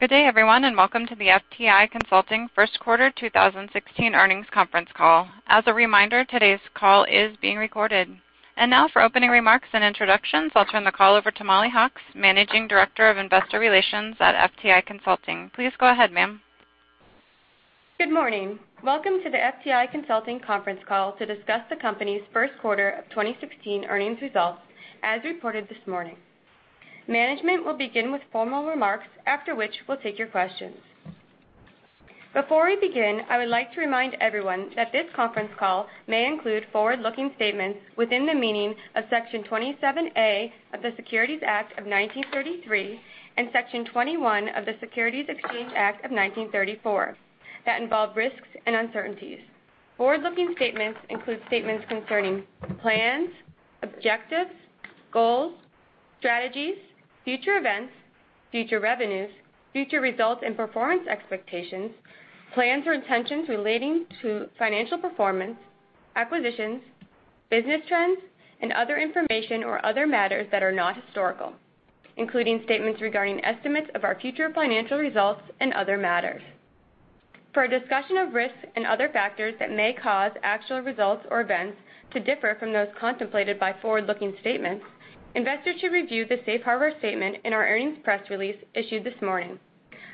Good day, everyone, welcome to the FTI Consulting First Quarter 2016 Earnings Conference Call. As a reminder, today's call is being recorded. Now for opening remarks and introductions, I'll turn the call over to Mollie Hawkes, Managing Director of Investor Relations at FTI Consulting. Please go ahead, ma'am. Good morning. Welcome to the FTI Consulting conference call to discuss the company's first quarter of 2016 earnings results, as reported this morning. Management will begin with formal remarks, after which we'll take your questions. Before we begin, I would like to remind everyone that this conference call may include forward-looking statements within the meaning of Section 27A of the Securities Act of 1933 and Section 21E of the Securities Exchange Act of 1934 that involve risks and uncertainties. Forward-looking statements include statements concerning plans, objectives, goals, strategies, future events, future revenues, future results and performance expectations, plans or intentions relating to financial performance, acquisitions, business trends, and other information or other matters that are not historical, including statements regarding estimates of our future financial results and other matters. For a discussion of risks and other factors that may cause actual results or events to differ from those contemplated by forward-looking statements, investors should review the safe harbor statement in our earnings press release issued this morning,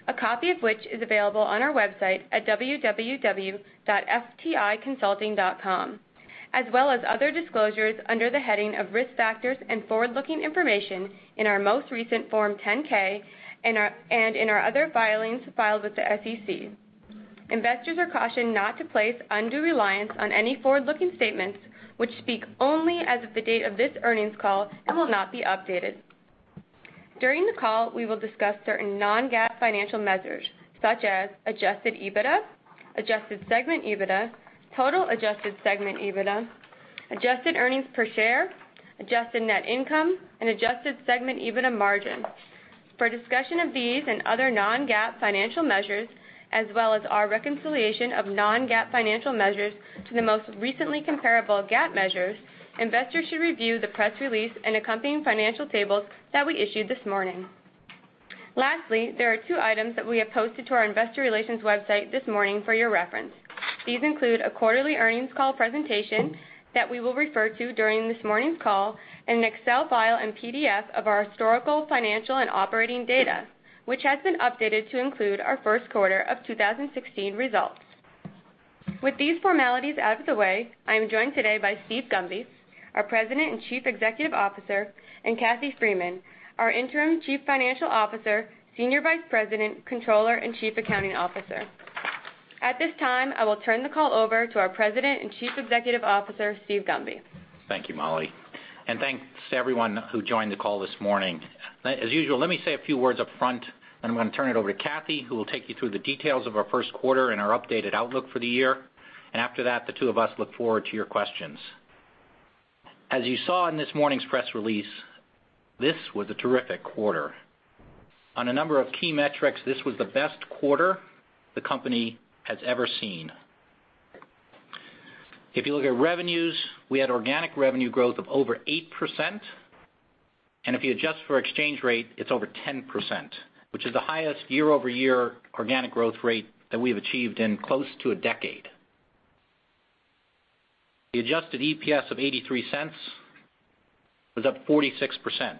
a copy of which is available on our website at www.fticonsulting.com, as well as other disclosures under the heading of Risk Factors and Forward-Looking Information in our most recent Form 10-K and in our other filings filed with the SEC. Investors are cautioned not to place undue reliance on any forward-looking statements which speak only as of the date of this earnings call and will not be updated. During the call, we will discuss certain non-GAAP financial measures such as Adjusted EBITDA, Adjusted Segment EBITDA, total Adjusted Segment EBITDA, Adjusted Earnings Per Share, Adjusted Net Income and Adjusted Segment EBITDA margin. For a discussion of these and other non-GAAP financial measures, as well as our reconciliation of non-GAAP financial measures to the most recently comparable GAAP measures, investors should review the press release and accompanying financial tables that we issued this morning. Lastly, there are two items that we have posted to our investor relations website this morning for your reference. These include a quarterly earnings call presentation that we will refer to during this morning's call, and an Excel file and PDF of our historical financial and operating data, which has been updated to include our first quarter of 2016 results. With these formalities out of the way, I am joined today by Steve Gunby, our President and Chief Executive Officer, and Cathy Freeman, our interim Chief Financial Officer, Senior Vice President, Controller, and Chief Accounting Officer. At this time, I will turn the call over to our President and Chief Executive Officer, Steve Gunby. Thank you, Mollie. Thanks to everyone who joined the call this morning. As usual, let me say a few words up front, I'm going to turn it over to Cathy, who will take you through the details of our first quarter and our updated outlook for the year. After that, the two of us look forward to your questions. As you saw in this morning's press release, this was a terrific quarter. On a number of key metrics, this was the best quarter the company has ever seen. If you look at revenues, we had organic revenue growth of over 8%, if you adjust for exchange rate, it's over 10%, which is the highest year-over-year organic growth rate that we have achieved in close to a decade. The Adjusted EPS of $0.83 was up 46%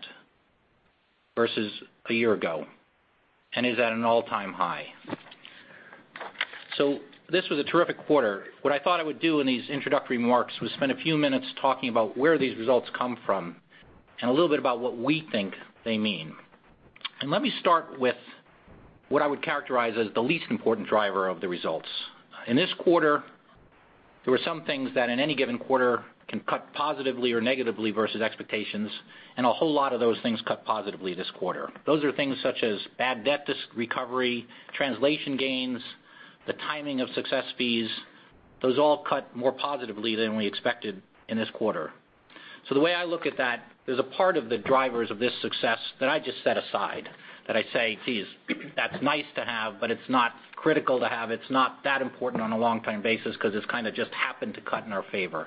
versus a year ago and is at an all-time high. This was a terrific quarter. What I thought I would do in these introductory remarks was spend a few minutes talking about where these results come from and a little bit about what we think they mean. Let me start with what I would characterize as the least important driver of the results. In this quarter, there were some things that in any given quarter can cut positively or negatively versus expectations, a whole lot of those things cut positively this quarter. Those are things such as bad debt recovery, translation gains, the timing of success fees. Those all cut more positively than we expected in this quarter. The way I look at that, there's a part of the drivers of this success that I just set aside, that I say, "Geez, that's nice to have, but it's not critical to have. It's not that important on a long-term basis because it's kind of just happened to cut in our favor."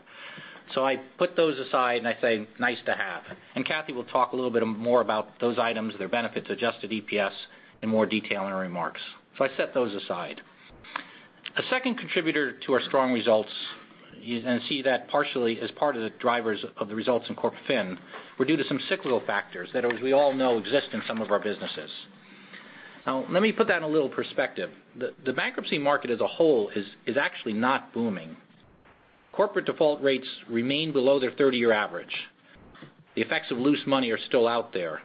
I put those aside and I say, "Nice to have." Cathy will talk a little bit more about those items, their benefits, Adjusted EPS in more detail in her remarks. I set those aside. A second contributor to our strong results, see that partially as part of the drivers of the results in Corp Fin, were due to some cyclical factors that as we all know, exist in some of our businesses. Let me put that in a little perspective. The bankruptcy market as a whole is actually not booming. Corporate default rates remain below their 30-year average. The effects of loose money are still out there.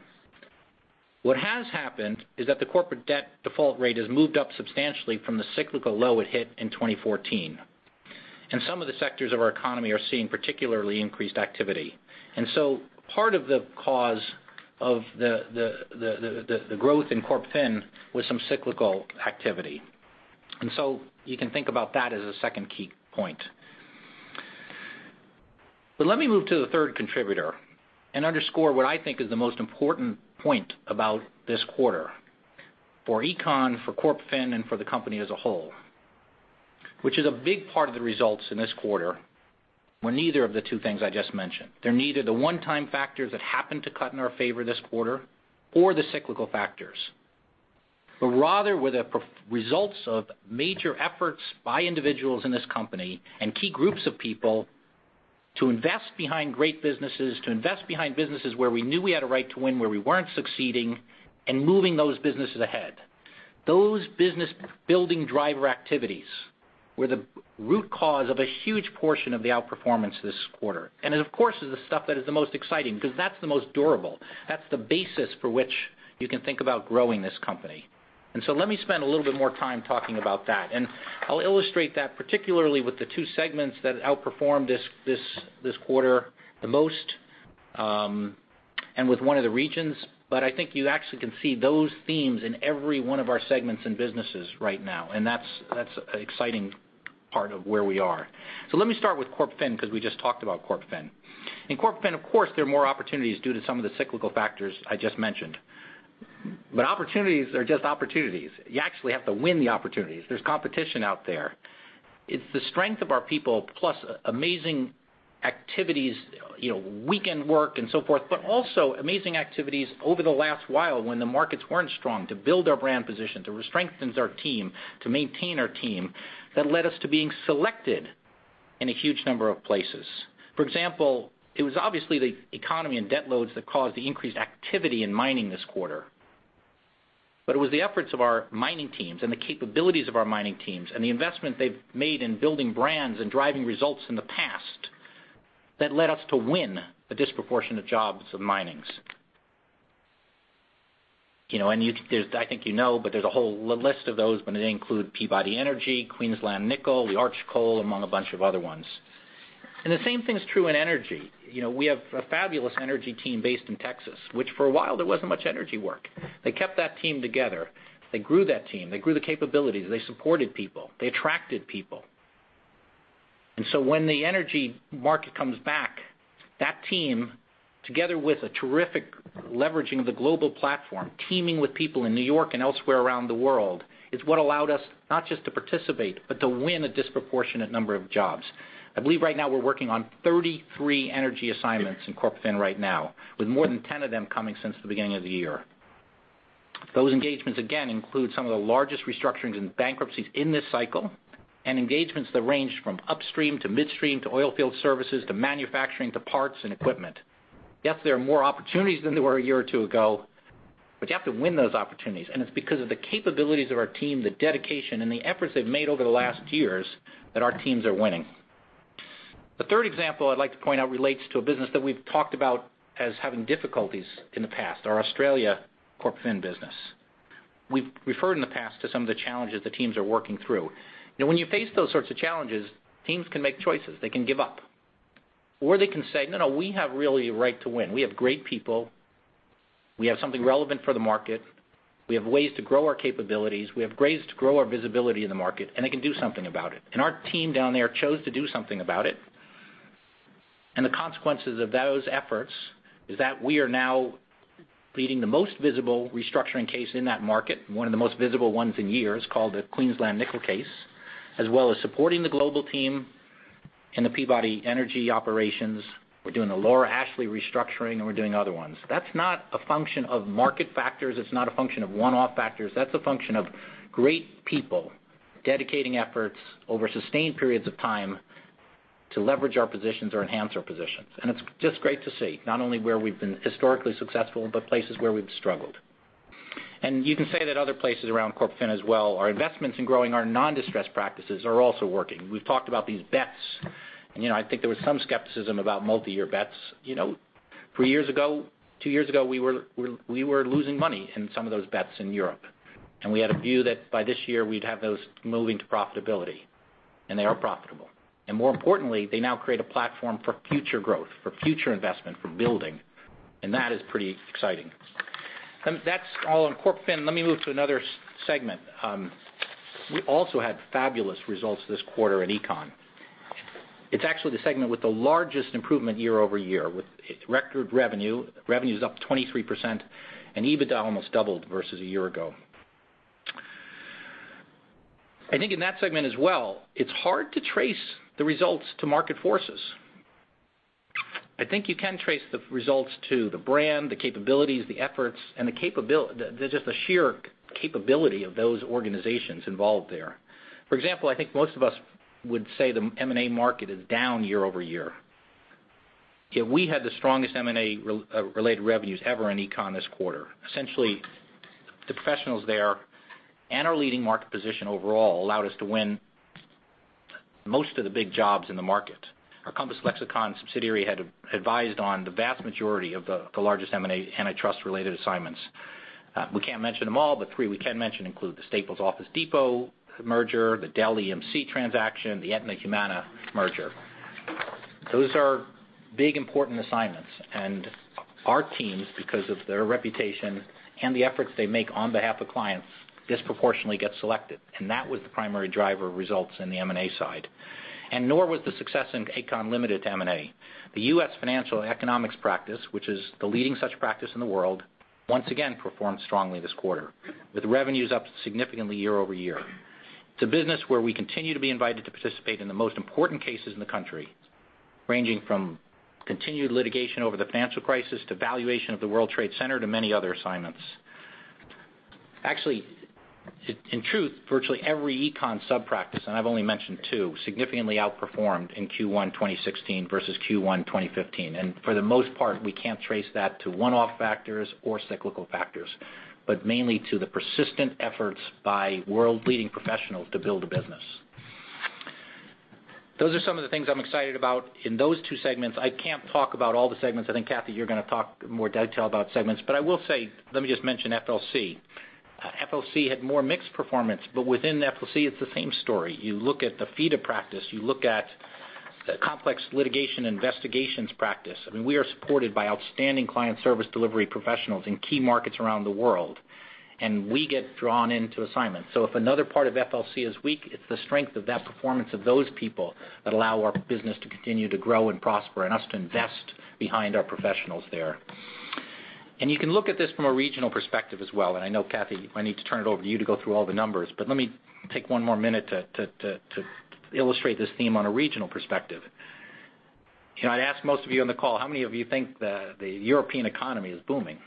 What has happened is that the corporate debt default rate has moved up substantially from the cyclical low it hit in 2014, and some of the sectors of our economy are seeing particularly increased activity. Part of the cause of the growth in Corp Fin was some cyclical activity. You can think about that as a second key point. Let me move to the third contributor and underscore what I think is the most important point about this quarter for Econ, for Corp Fin, and for the company as a whole. A big part of the results in this quarter, were neither of the two things I just mentioned. They're neither the one-time factors that happened to cut in our favor this quarter or the cyclical factors. Rather were the results of major efforts by individuals in this company and key groups of people to invest behind great businesses, to invest behind businesses where we knew we had a right to win, where we weren't succeeding, and moving those businesses ahead. Those business-building driver activities were the root cause of a huge portion of the outperformance this quarter, and of course, is the stuff that is the most exciting because that's the most durable. That's the basis for which you can think about growing this company. Let me spend a little bit more time talking about that, and I'll illustrate that particularly with the two segments that outperformed this quarter the most, and with one of the regions. I think you actually can see those themes in every one of our segments and businesses right now, and that's an exciting part of where we are. Let me start with CorpFin because we just talked about CorpFin. In CorpFin, of course, there are more opportunities due to some of the cyclical factors I just mentioned. Opportunities are just opportunities. There's competition out there. It's the strength of our people, plus amazing activities, weekend work and so forth, but also amazing activities over the last while when the markets weren't strong to build our brand position, to strengthen our team, to maintain our team, that led us to being selected in a huge number of places. For example, it was obviously the economy and debt loads that caused the increased activity in mining this quarter. It was the efforts of our mining teams and the capabilities of our mining teams and the investment they've made in building brands and driving results in the past that led us to win a disproportionate jobs of minings. I think you know, there's a whole list of those, but they include Peabody Energy, Queensland Nickel, Arch Coal, among a bunch of other ones. The same thing is true in energy. We have a fabulous energy team based in Texas, which for a while there wasn't much energy work. They kept that team together. They grew that team. They grew the capabilities. They supported people. They attracted people. When the energy market comes back, that team, together with a terrific leveraging of the global platform, teaming with people in New York and elsewhere around the world, is what allowed us not just to participate, but to win a disproportionate number of jobs. I believe right now we're working on 33 energy assignments in CorpFin right now, with more than 10 of them coming since the beginning of the year. Those engagements, again, include some of the largest restructurings and bankruptcies in this cycle, and engagements that range from upstream to midstream to oil field services to manufacturing to parts and equipment. Yes, there are more opportunities than there were a year or two ago, but you have to win those opportunities, and it's because of the capabilities of our team, the dedication, and the efforts they've made over the last years that our teams are winning. The third example I'd like to point out relates to a business that we've talked about as having difficulties in the past, our Australia CorpFin business. We've referred in the past to some of the challenges the teams are working through. When you face those sorts of challenges, teams can make choices. They can give up, or they can say, "No, no, we have really a right to win. We have great people. We have something relevant for the market. We have ways to grow our capabilities. We have ways to grow our visibility in the market, and they can do something about it." Our team down there chose to do something about it. The consequences of those efforts is that we are now leading the most visible restructuring case in that market, one of the most visible ones in years, called the Queensland Nickel case, as well as supporting the global team in the Peabody Energy operations. We're doing the Lower Ashley restructuring, and we're doing other ones. That's not a function of market factors. It's not a function of one-off factors. That's a function of great people dedicating efforts over sustained periods of time to leverage our positions or enhance our positions. It's just great to see, not only where we've been historically successful, but places where we've struggled. You can say that other places around CorpFin as well, our investments in growing our non-distressed practices are also working. We've talked about these bets. I think there was some skepticism about multi-year bets. Three years ago, two years ago, we were losing money in some of those bets in Europe. We had a view that by this year we'd have those moving to profitability, and they are profitable. More importantly, they now create a platform for future growth, for future investment, for building. That is pretty exciting. That's all on CorpFin. Let me move to another segment. We also had fabulous results this quarter at Econ. It's actually the segment with the largest improvement year-over-year with record revenue. Revenue is up 23%, and EBITDA almost doubled versus a year ago. I think in that segment as well, it's hard to trace the results to market forces. I think you can trace the results to the brand, the capabilities, the efforts, and just the sheer capability of those organizations involved there. For example, I think most of us would say the M&A market is down year over year. Yet we had the strongest M&A-related revenues ever in econ this quarter. Essentially, the professionals there and our leading market position overall allowed us to win most of the big jobs in the market. Our Compass Lexecon subsidiary had advised on the vast majority of the largest M&A antitrust-related assignments. We can't mention them all, but three we can mention include the Staples-Office Depot merger, the Dell-EMC transaction, the Aetna-Humana merger. Those are big, important assignments, and our teams, because of their reputation and the efforts they make on behalf of clients, disproportionately get selected. That was the primary driver of results in the M&A side. Nor was the success in econ limited to M&A. The U.S. financial economics practice, which is the leading such practice in the world, once again performed strongly this quarter, with revenues up significantly year-over-year. It's a business where we continue to be invited to participate in the most important cases in the country, ranging from continued litigation over the financial crisis, to valuation of the World Trade Center, to many other assignments. Actually, in truth, virtually every econ sub-practice, and I've only mentioned two, significantly outperformed in Q1 2016 versus Q1 2015. For the most part, we can't trace that to one-off factors or cyclical factors, but mainly to the persistent efforts by world-leading professionals to build a business. Those are some of the things I'm excited about in those two segments. I can't talk about all the segments. I think, Cathy, you're going to talk more detail about segments. I will say, let me just mention FLC. FLC had more mixed performance, but within FLC it's the same story. You look at the feeder practice, you look at the complex litigation investigations practice. We are supported by outstanding client service delivery professionals in key markets around the world, and we get drawn into assignments. If another part of FLC is weak, it's the strength of that performance of those people that allow our business to continue to grow and prosper and us to invest behind our professionals there. You can look at this from a regional perspective as well, and I know, Cathy, I need to turn it over to you to go through all the numbers, but let me take one more minute to illustrate this theme on a regional perspective. I'd ask most of you on the call, how many of you think the European economy is booming?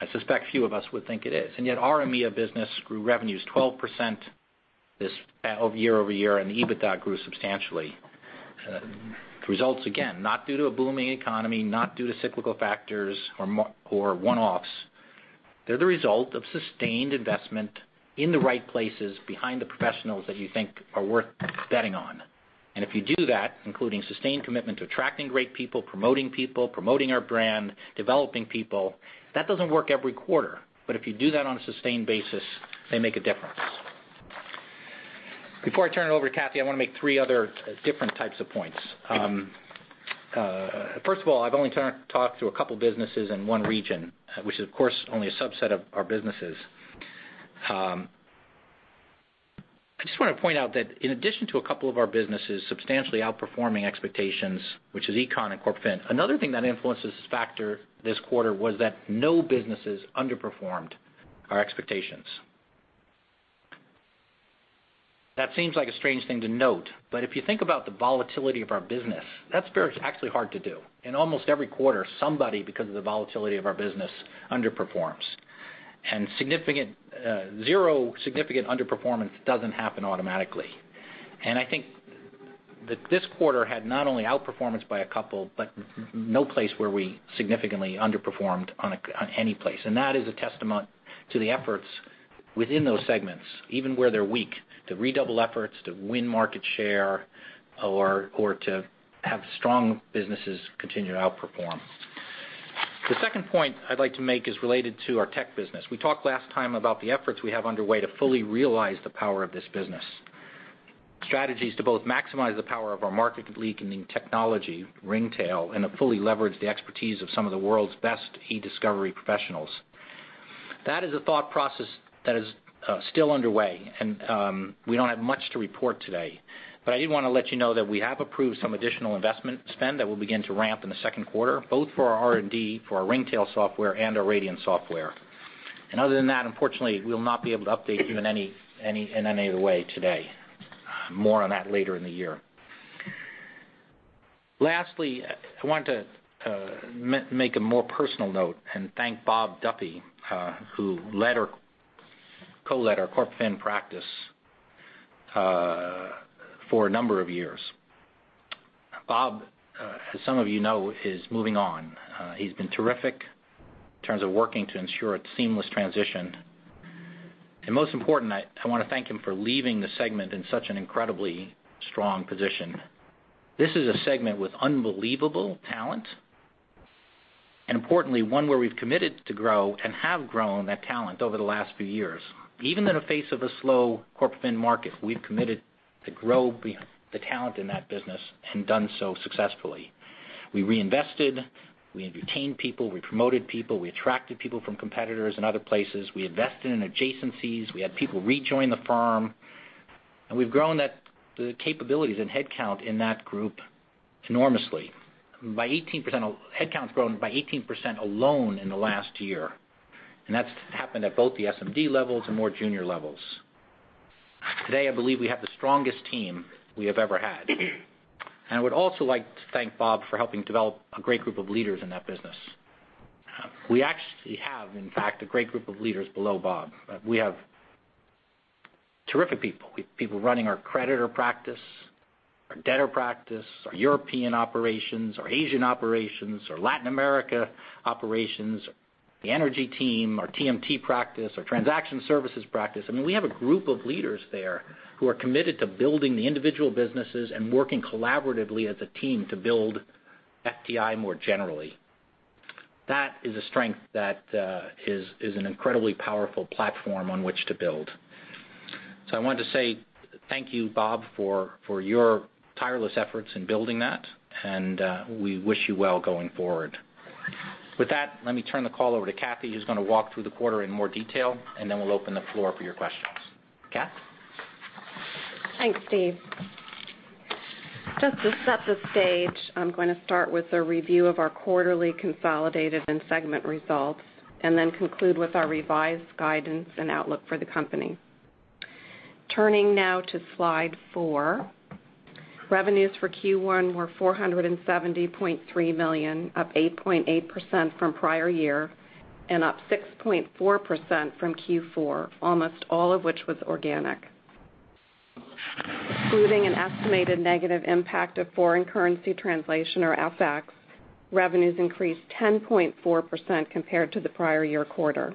I suspect few of us would think it is. Yet our EMEA business grew revenues 12% year-over-year, and EBITDA grew substantially. The results, again, not due to a booming economy, not due to cyclical factors or one-offs. They're the result of sustained investment in the right places behind the professionals that you think are worth betting on. If you do that, including sustained commitment to attracting great people, promoting people, promoting our brand, developing people, that doesn't work every quarter. If you do that on a sustained basis, they make a difference. Before I turn it over to Cathy, I want to make three other different types of points. First of all, I've only talked to a couple businesses in one region, which is, of course, only a subset of our businesses. I just want to point out that in addition to a couple of our businesses substantially outperforming expectations, which is Econ and Corp Fin, another thing that influences this factor this quarter was that no businesses underperformed our expectations. That seems like a strange thing to note, but if you think about the volatility of our business, that's actually hard to do. In almost every quarter, somebody, because of the volatility of our business, underperforms. Zero significant underperformance doesn't happen automatically. I think that this quarter had not only outperformance by a couple, but no place where we significantly underperformed on any place. That is a testament to the efforts within those segments, even where they're weak, to redouble efforts to win market share or to have strong businesses continue to outperform. The second point I'd like to make is related to our tech business. We talked last time about the efforts we have underway to fully realize the power of this business. Strategies to both maximize the power of our market-leading technology, Ringtail, and to fully leverage the expertise of some of the world's best e-discovery professionals. That is a thought process that is still underway, and we don't have much to report today. I did want to let you know that we have approved some additional investment spend that will begin to ramp in the second quarter, both for our R&D, for our Ringtail software and our Radiance software. Other than that, unfortunately, we will not be able to update you in any other way today. More on that later in the year. Lastly, I want to make a more personal note and thank Bob Duffy, who co-led our Corp Fin practice for a number of years. Bob, as some of you know, is moving on. He's been terrific in terms of working to ensure a seamless transition. Most important, I want to thank him for leaving the segment in such an incredibly strong position. This is a segment with unbelievable talent, and importantly, one where we've committed to grow and have grown that talent over the last few years. Even in the face of a slow Corp Fin market, we've committed to grow the talent in that business and done so successfully. We reinvested, we retained people, we promoted people, we attracted people from competitors and other places. We invested in adjacencies. We had people rejoin the firm. We've grown the capabilities and headcount in that group enormously. Headcount's grown by 18% alone in the last year, and that's happened at both the SMD levels and more junior levels. Today, I believe we have the strongest team we have ever had. I would also like to thank Bob for helping develop a great group of leaders in that business. We actually have, in fact, a great group of leaders below Bob. We have terrific people. We have people running our creditor practice, our debtor practice, our European operations, our Asian operations, our Latin America operations, the energy team, our TMT practice, our transaction services practice. We have a group of leaders there who are committed to building the individual businesses and working collaboratively as a team to build FTI more generally. That is a strength that is an incredibly powerful platform on which to build. I wanted to say thank you, Bob, for your tireless efforts in building that, and we wish you well going forward. With that, let me turn the call over to Cathy, who's going to walk through the quarter in more detail, and then we'll open the floor for your questions. Kath? Thanks, Steve. Just to set the stage, I'm going to start with a review of our quarterly consolidated and segment results, and then conclude with our revised guidance and outlook for the company. Turning now to slide four. Revenues for Q1 were $470.3 million, up 8.8% from prior year, and up 6.4% from Q4, almost all of which was organic. Excluding an estimated negative impact of foreign currency translation, or FX, revenues increased 10.4% compared to the prior year quarter.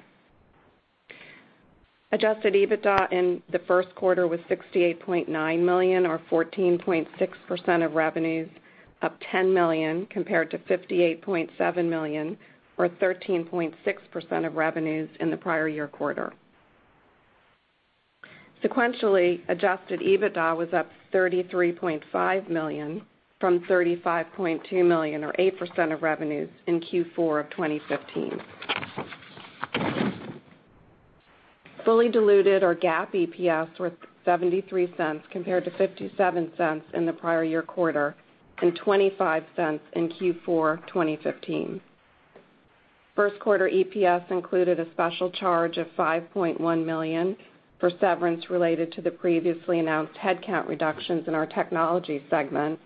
Adjusted EBITDA in the first quarter was $68.9 million, or 14.6% of revenues, up $10 million, compared to $58.7 million, or 13.6% of revenues in the prior year quarter. Sequentially, Adjusted EBITDA was up $33.5 million from $35.2 million, or 8% of revenues in Q4 of 2015. Fully diluted or GAAP EPS were $0.73 compared to $0.57 in the prior year quarter, and $0.25 in Q4 2015. First quarter EPS included a special charge of $5.1 million for severance related to the previously announced headcount reductions in our technology segment,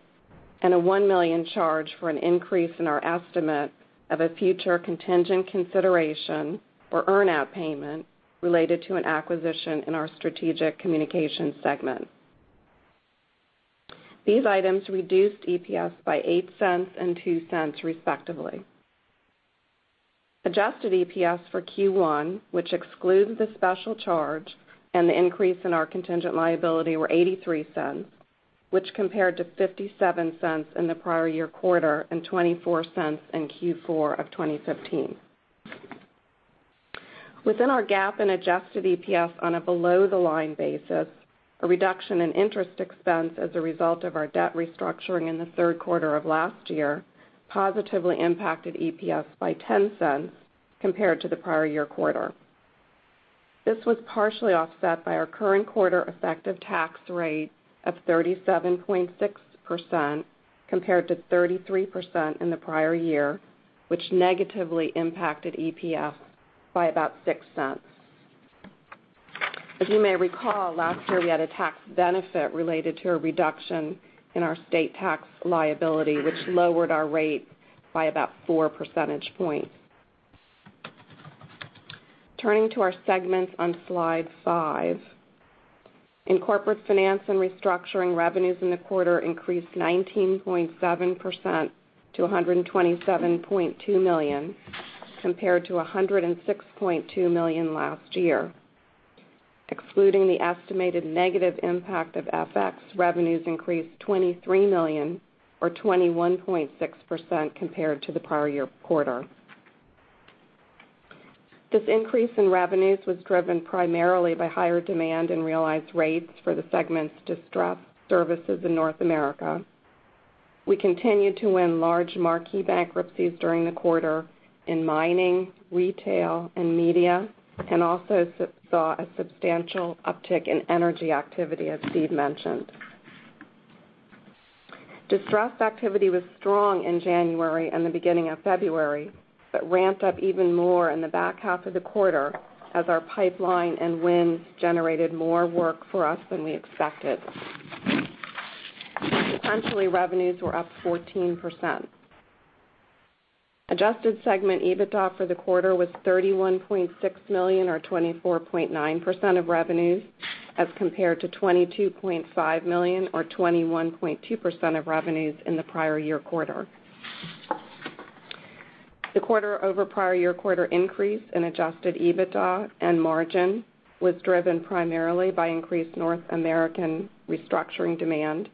and a $1 million charge for an increase in our estimate of a future contingent consideration or earn-out payment related to an acquisition in our Strategic Communications segment. These items reduced EPS by $0.08 and $0.02 respectively. Adjusted EPS for Q1, which excludes the special charge and the increase in our contingent liability were $0.83, which compared to $0.57 in the prior year quarter and $0.24 in Q4 of 2015. Within our GAAP and Adjusted EPS on a below-the-line basis, a reduction in interest expense as a result of our debt restructuring in the third quarter of last year positively impacted EPS by $0.10 compared to the prior year quarter. This was partially offset by our current quarter effective tax rate of 37.6%, compared to 33% in the prior year, which negatively impacted EPS by about $0.06. As you may recall, last year we had a tax benefit related to a reduction in our state tax liability, which lowered our rate by about four percentage points. Turning to our segments on slide five. In Corporate Finance & Restructuring, revenues in the quarter increased 19.7% to $127.2 million, compared to $106.2 million last year. Excluding the estimated negative impact of FX, revenues increased $23 million or 21.6% compared to the prior year quarter. This increase in revenues was driven primarily by higher demand and realized rates for the segment's distressed services in North America. We continued to win large marquee bankruptcies during the quarter in mining, retail, and media, and also saw a substantial uptick in energy activity, as Steve mentioned. Distressed activity was strong in January and the beginning of February, but ramped up even more in the back half of the quarter as our pipeline and wins generated more work for us than we expected. Sequentially, revenues were up 14%. Adjusted Segment EBITDA for the quarter was $31.6 million, or 24.9% of revenues, as compared to $22.5 million or 21.2% of revenues in the prior year quarter. The quarter over prior year quarter increase in Adjusted EBITDA and margin was driven primarily by increased North American restructuring demand,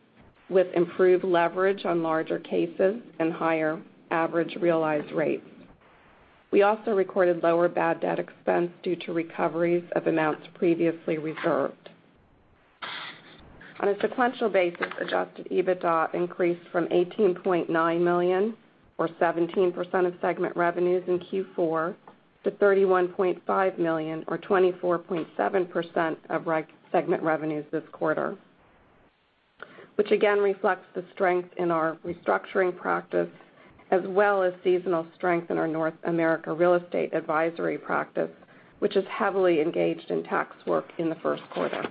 with improved leverage on larger cases and higher average realized rates. We also recorded lower bad debt expense due to recoveries of amounts previously reserved. On a sequential basis, Adjusted EBITDA increased from $18.9 million, or 17% of segment revenues in Q4, to $31.5 million or 24.7% of segment revenues this quarter, which again reflects the strength in our restructuring practice, as well as seasonal strength in our North America real estate advisory practice, which is heavily engaged in tax work in the first quarter.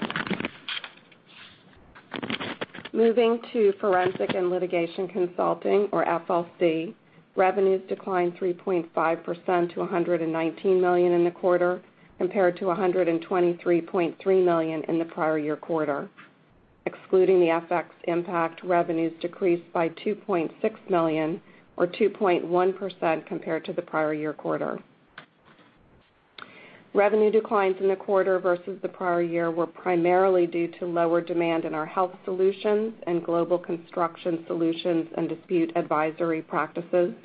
Moving to Forensic and Litigation Consulting, or FLC, revenues declined 3.5% to $119 million in the quarter, compared to $123.3 million in the prior year quarter. Excluding the FX impact, revenues decreased by $2.6 million, or 2.1% compared to the prior year quarter. Revenue declines in the quarter versus the prior year were primarily due to lower demand in our health solutions and global construction solutions and dispute advisory practices.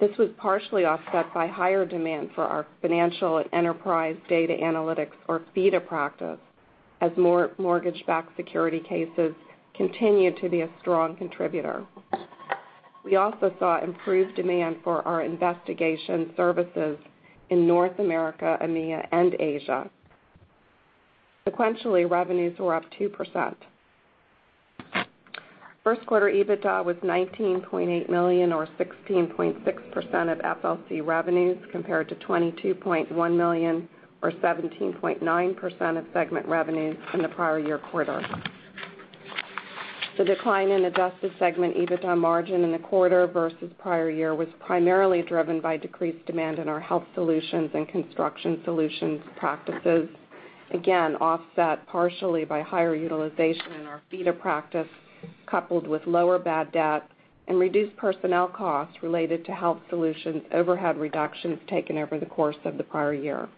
This was partially offset by higher demand for our financial and enterprise data analytics, or FIDA practice. As more mortgage-backed security cases continue to be a strong contributor. We also saw improved demand for our investigation services in North America, EMEA, and Asia. Sequentially, revenues were up 2%. First quarter EBITDA was $19.8 million, or 16.6% of FLC revenues, compared to $22.1 million, or 17.9% of segment revenues from the prior year quarter. The decline in Adjusted Segment EBITDA margin in the quarter versus prior year was primarily driven by decreased demand in our health solutions and construction solutions practices. Again, offset partially by higher utilization in our FIDA practice, coupled with lower bad debt and reduced personnel costs related to health solutions overhead reductions taken over the course of the prior year.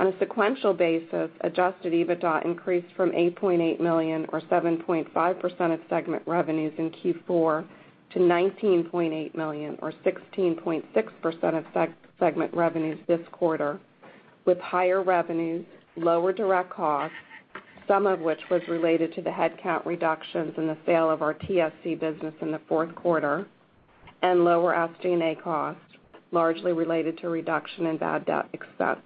On a sequential basis, Adjusted EBITDA increased from $8.8 million, or 7.5% of segment revenues in Q4, to $19.8 million, or 16.6% of segment revenues this quarter, with higher revenues, lower direct costs, some of which was related to the headcount reductions and the sale of our TSC business in the fourth quarter, and lower SG&A costs, largely related to reduction in bad debt expense.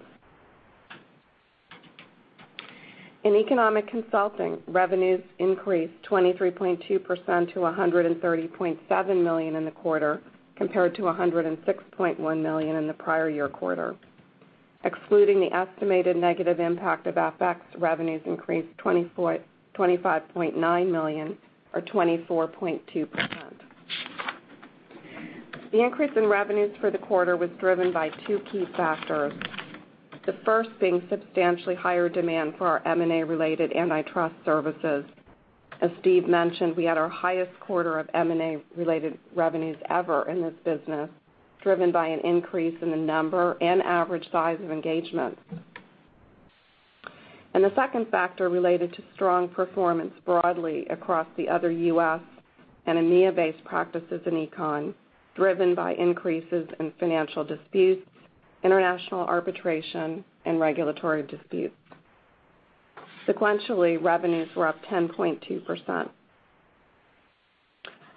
In Economic Consulting, revenues increased 23.2% to $130.7 million in the quarter, compared to $106.1 million in the prior year quarter. Excluding the estimated negative impact of FX, revenues increased $25.9 million or 24.2%. The increase in revenues for the quarter was driven by two key factors. The first being substantially higher demand for our M&A related antitrust services. As Steve mentioned, we had our highest quarter of M&A-related revenues ever in this business, driven by an increase in the number and average size of engagements. The second factor related to strong performance broadly across the other U.S. and EMEA-based practices in econ, driven by increases in financial disputes, international arbitration and regulatory disputes. Sequentially, revenues were up 10.2%.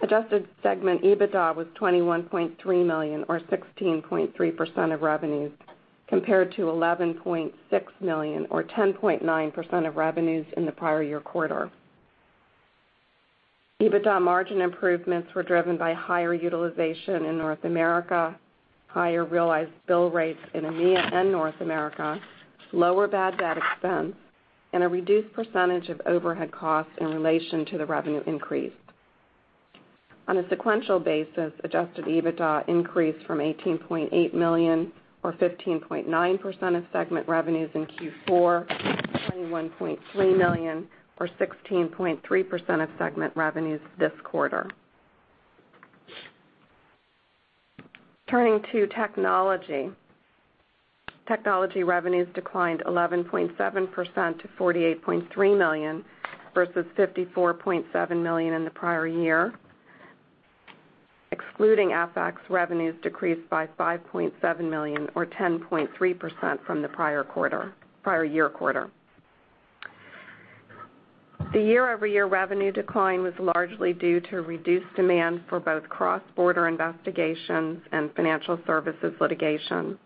Adjusted segment EBITDA was $21.3 million or 16.3% of revenues compared to $11.6 million or 10.9% of revenues in the prior year quarter. EBITDA margin improvements were driven by higher utilization in North America, higher realized bill rates in EMEA and North America, lower bad debt expense, and a reduced percentage of overhead costs in relation to the revenue increase. On a sequential basis, Adjusted EBITDA increased from $18.8 million or 15.9% of segment revenues in Q4 to $21.3 million or 16.3% of segment revenues this quarter. Turning to technology. Technology revenues declined 11.7% to $48.3 million versus $54.7 million in the prior year. Excluding FX, revenues decreased by $5.7 million or 10.3% from the prior year quarter. The year-over-year revenue decline was largely due to reduced demand for both cross-border investigations and financial services litigation.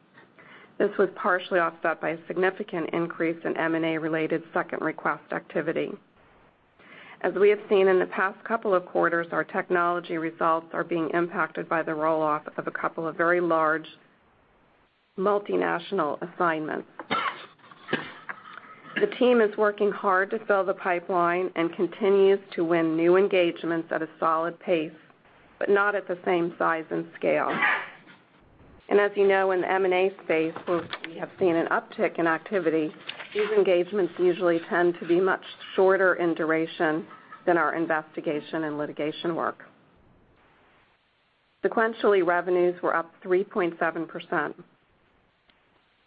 This was partially offset by a significant increase in M&A-related second request activity. As we have seen in the past couple of quarters, our technology results are being impacted by the roll-off of a couple of very large multinational assignments. The team is working hard to fill the pipeline and continues to win new engagements at a solid pace, but not at the same size and scale. As you know, in the M&A space, where we have seen an uptick in activity, these engagements usually tend to be much shorter in duration than our investigation and litigation work. Sequentially, revenues were up 3.7%.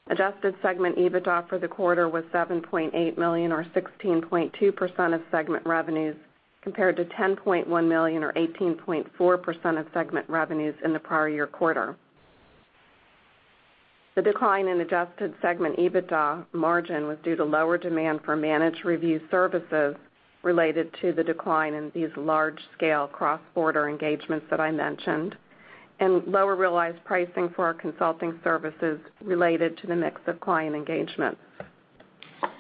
Adjusted segment EBITDA for the quarter was $7.8 million or 16.2% of segment revenues, compared to $10.1 million or 18.4% of segment revenues in the prior year quarter. The decline in Adjusted segment EBITDA margin was due to lower demand for managed review services related to the decline in these large-scale cross-border engagements that I mentioned, and lower realized pricing for our consulting services related to the mix of client engagements.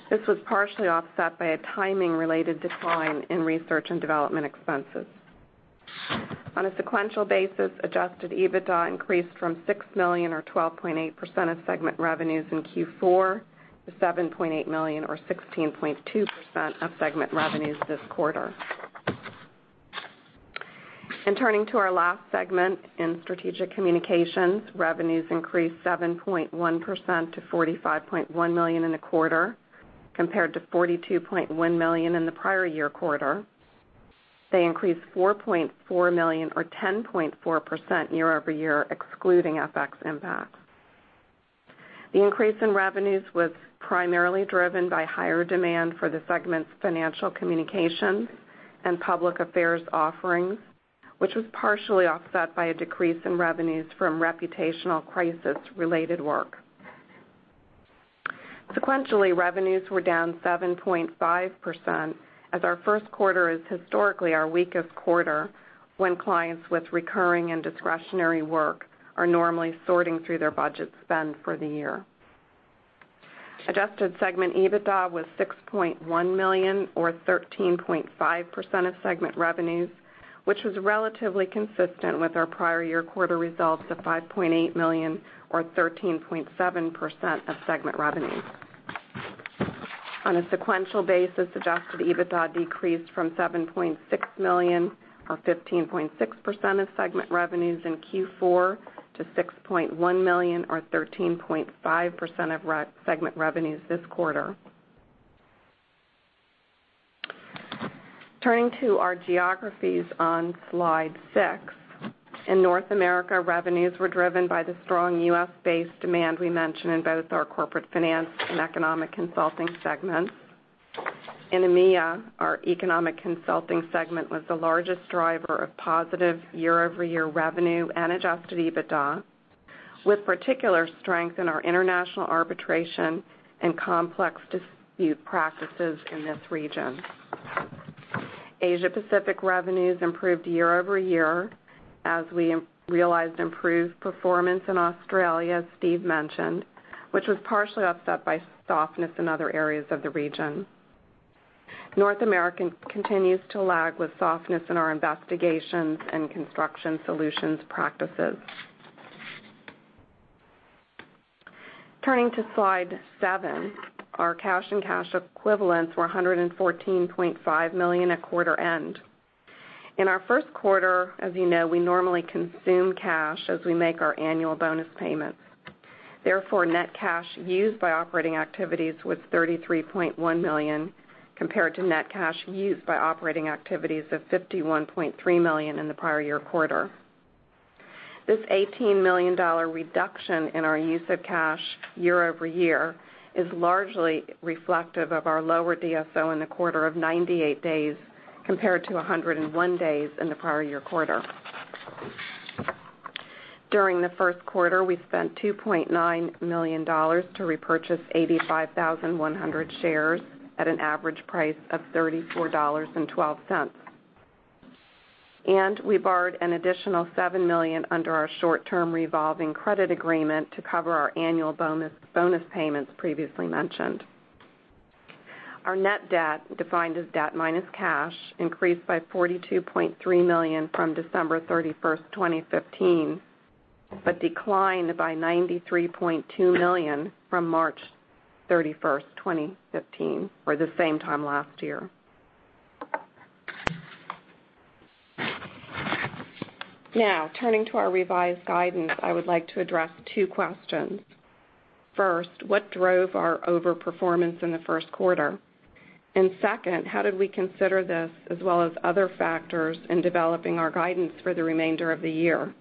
This was partially offset by a timing-related decline in research and development expenses. On a sequential basis, Adjusted EBITDA increased from $6 million or 12.8% of segment revenues in Q4 to $7.8 million or 16.2% of segment revenues this quarter. Turning to our last segment in Strategic Communications, revenues increased 7.1% to $45.1 million in the quarter, compared to $42.1 million in the prior year quarter. They increased $4.4 million or 10.4% year-over-year excluding FX impact. The increase in revenues was primarily driven by higher demand for the segment's financial communications and public affairs offerings which was partially offset by a decrease in revenues from reputational crisis-related work. Sequentially, revenues were down 7.5%, as our first quarter is historically our weakest quarter when clients with recurring and discretionary work are normally sorting through their budget spend for the year. Adjusted segment EBITDA was $6.1 million, or 13.5% of segment revenues, which was relatively consistent with our prior year quarter results of $5.8 million or 13.7% of segment revenues. On a sequential basis, Adjusted EBITDA decreased from $7.6 million or 15.6% of segment revenues in Q4 to $6.1 million or 13.5% of segment revenues this quarter. Turning to our geographies on Slide 6. In North America, revenues were driven by the strong U.S.-based demand we mentioned in both our Corporate Finance and Economic Consulting segments. In EMEA, our Economic Consulting segment was the largest driver of positive year-over-year revenue and Adjusted EBITDA, with particular strength in our international arbitration and complex dispute practices in this region. Asia Pacific revenues improved year-over-year as we realized improved performance in Australia, as Steve mentioned, which was partially offset by softness in other areas of the region. North America continues to lag with softness in our investigations and construction solutions practices. Turning to Slide 7, our cash and cash equivalents were $114.5 million at quarter end. In our first quarter, as you know, we normally consume cash as we make our annual bonus payments. Net cash used by operating activities was $33.1 million, compared to net cash used by operating activities of $51.3 million in the prior year quarter. This $18 million reduction in our use of cash year-over-year is largely reflective of our lower DSO in the quarter of 98 days compared to 101 days in the prior year quarter. During the first quarter, we spent $2.9 million to repurchase 85,100 shares at an average price of $34.12. We borrowed an additional $7 million under our short-term revolving credit agreement to cover our annual bonus payments previously mentioned. Our net debt, defined as debt minus cash, increased by $42.3 million from December 31st, 2015, but declined by $93.2 million from March 31st, 2015 or the same time last year. Turning to our revised guidance, I would like to address two questions. First, what drove our over-performance in the first quarter? Second, how did we consider this as well as other factors in developing our guidance for the remainder of the year?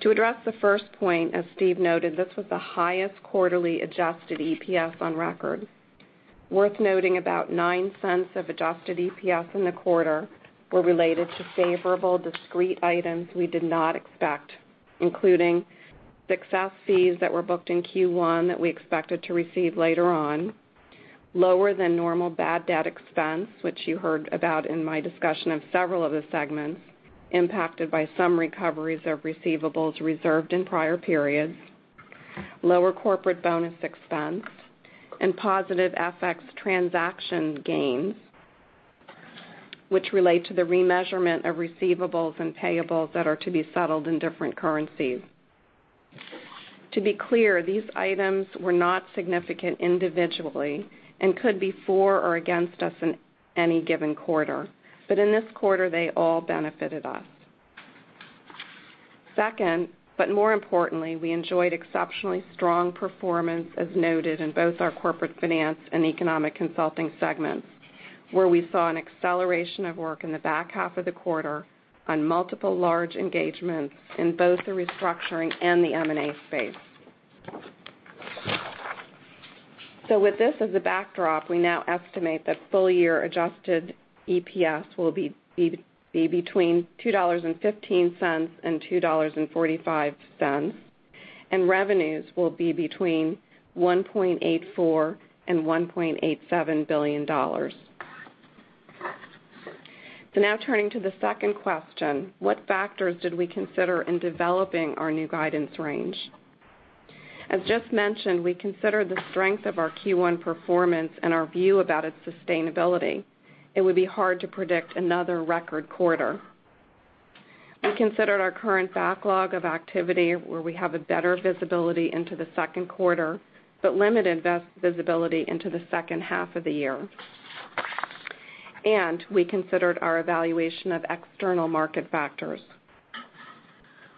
To address the first point, as Steve noted, this was the highest quarterly Adjusted EPS on record. Worth noting, about $0.09 of Adjusted EPS in the quarter were related to favorable discrete items we did not expect, including success fees that were booked in Q1 that we expected to receive later on, lower than normal bad debt expense, which you heard about in my discussion of several of the segments impacted by some recoveries of receivables reserved in prior periods, lower corporate bonus expense, and positive FX transaction gains, which relate to the remeasurement of receivables and payables that are to be settled in different currencies. To be clear, these items were not significant individually and could be for or against us in any given quarter. In this quarter, they all benefited us. Second, more importantly, we enjoyed exceptionally strong performance, as noted in both our Corporate Finance and Economic Consulting segments, where we saw an acceleration of work in the back half of the quarter on multiple large engagements in both the restructuring and the M&A space. With this as a backdrop, we now estimate that full-year Adjusted EPS will be between $2.15 and $2.45, and revenues will be between $1.84 billion and $1.87 billion. Turning to the second question, what factors did we consider in developing our new guidance range? As just mentioned, we considered the strength of our Q1 performance and our view about its sustainability. It would be hard to predict another record quarter. We considered our current backlog of activity where we have better visibility into the second quarter, but limited visibility into the second half of the year. We considered our evaluation of external market factors.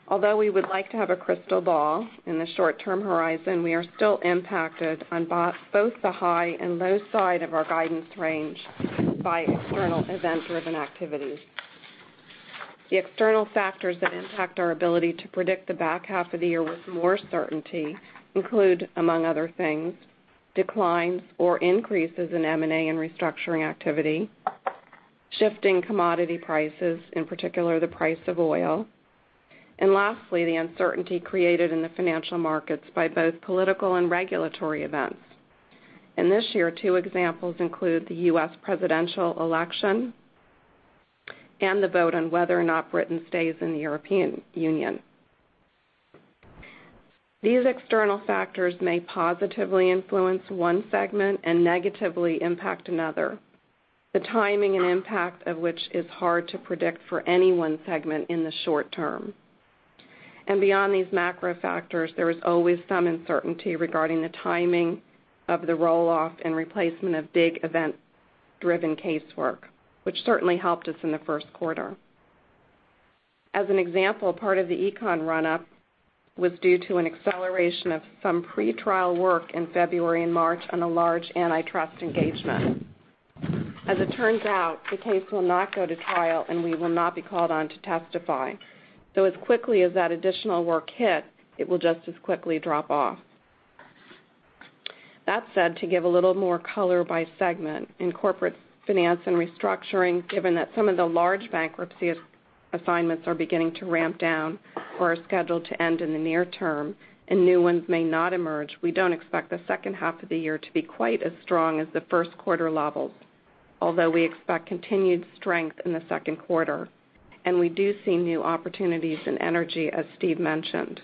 Although we would like to have a crystal ball in the short-term horizon, we are still impacted on both the high and low side of our guidance range by external event-driven activities. The external factors that impact our ability to predict the back half of the year with more certainty include, among other things, declines or increases in M&A and restructuring activity, shifting commodity prices, in particular, the price of oil, and lastly, the uncertainty created in the financial markets by both political and regulatory events. This year, two examples include the U.S. presidential election and the vote on whether or not Britain stays in the European Union. These external factors may positively influence one segment and negatively impact another. The timing and impact of which is hard to predict for any one segment in the short term. Beyond these macro factors, there is always some uncertainty regarding the timing of the roll-off and replacement of big event-driven casework, which certainly helped us in the first quarter. As an example, part of the econ run-up was due to an acceleration of some pretrial work in February and March on a large antitrust engagement. As it turns out, the case will not go to trial, and we will not be called on to testify. As quickly as that additional work hit, it will just as quickly drop off. That said, to give a little more color by segment, in Corporate Finance & Restructuring, given that some of the large bankruptcy assignments are beginning to ramp down or are scheduled to end in the near term, and new ones may not emerge, we don't expect the second half of the year to be quite as strong as the first quarter levels. Although we expect continued strength in the second quarter, we do see new opportunities and energy, as Steve mentioned.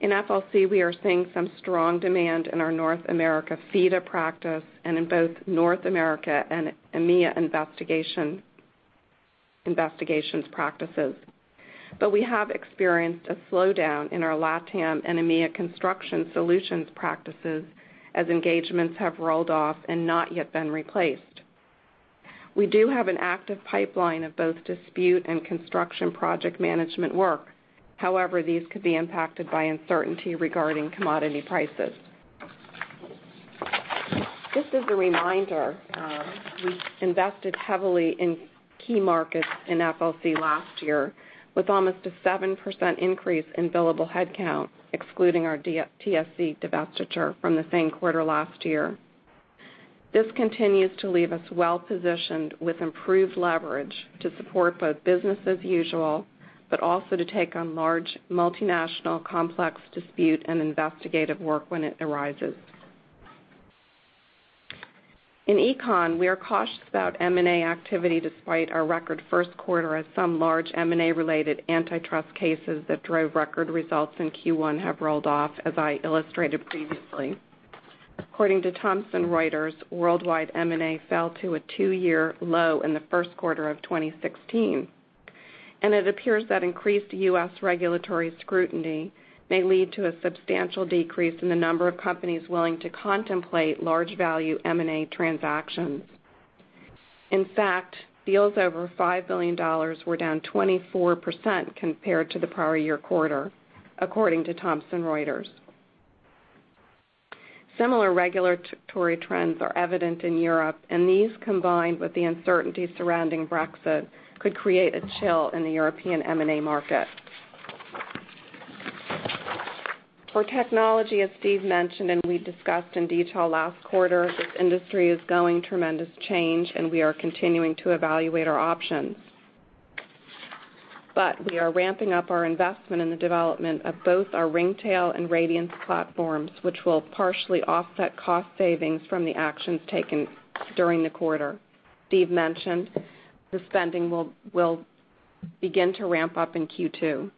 In FLC, we are seeing some strong demand in our North America FIDA practice and in both North America and EMEA investigations practices. We have experienced a slowdown in our LATAM and EMEA construction solutions practices as engagements have rolled off and not yet been replaced. We do have an active pipeline of both dispute and construction project management work. These could be impacted by uncertainty regarding commodity prices. Just as a reminder, we invested heavily in key markets in FLC last year with almost a 7% increase in billable headcount, excluding our TSC divestiture from the same quarter last year. This continues to leave us well-positioned with improved leverage to support both business as usual, but also to take on large multinational complex dispute and investigative work when it arises. In econ, we are cautious about M&A activity despite our record first quarter as some large M&A-related antitrust cases that drove record results in Q1 have rolled off, as I illustrated previously. According to Thomson Reuters, worldwide M&A fell to a two-year low in the first quarter of 2016. It appears that increased U.S. regulatory scrutiny may lead to a substantial decrease in the number of companies willing to contemplate large-value M&A transactions. In fact, deals over $5 billion were down 24% compared to the prior year quarter, according to Thomson Reuters. These, combined with the uncertainty surrounding Brexit, could create a chill in the European M&A market. For technology, as Steve mentioned and we discussed in detail last quarter, this industry is going tremendous change, and we are continuing to evaluate our options. We are ramping up our investment in the development of both our Ringtail and Radiance platforms, which will partially offset cost savings from the actions taken during the quarter. Steve mentioned the spending will begin to ramp up in Q2.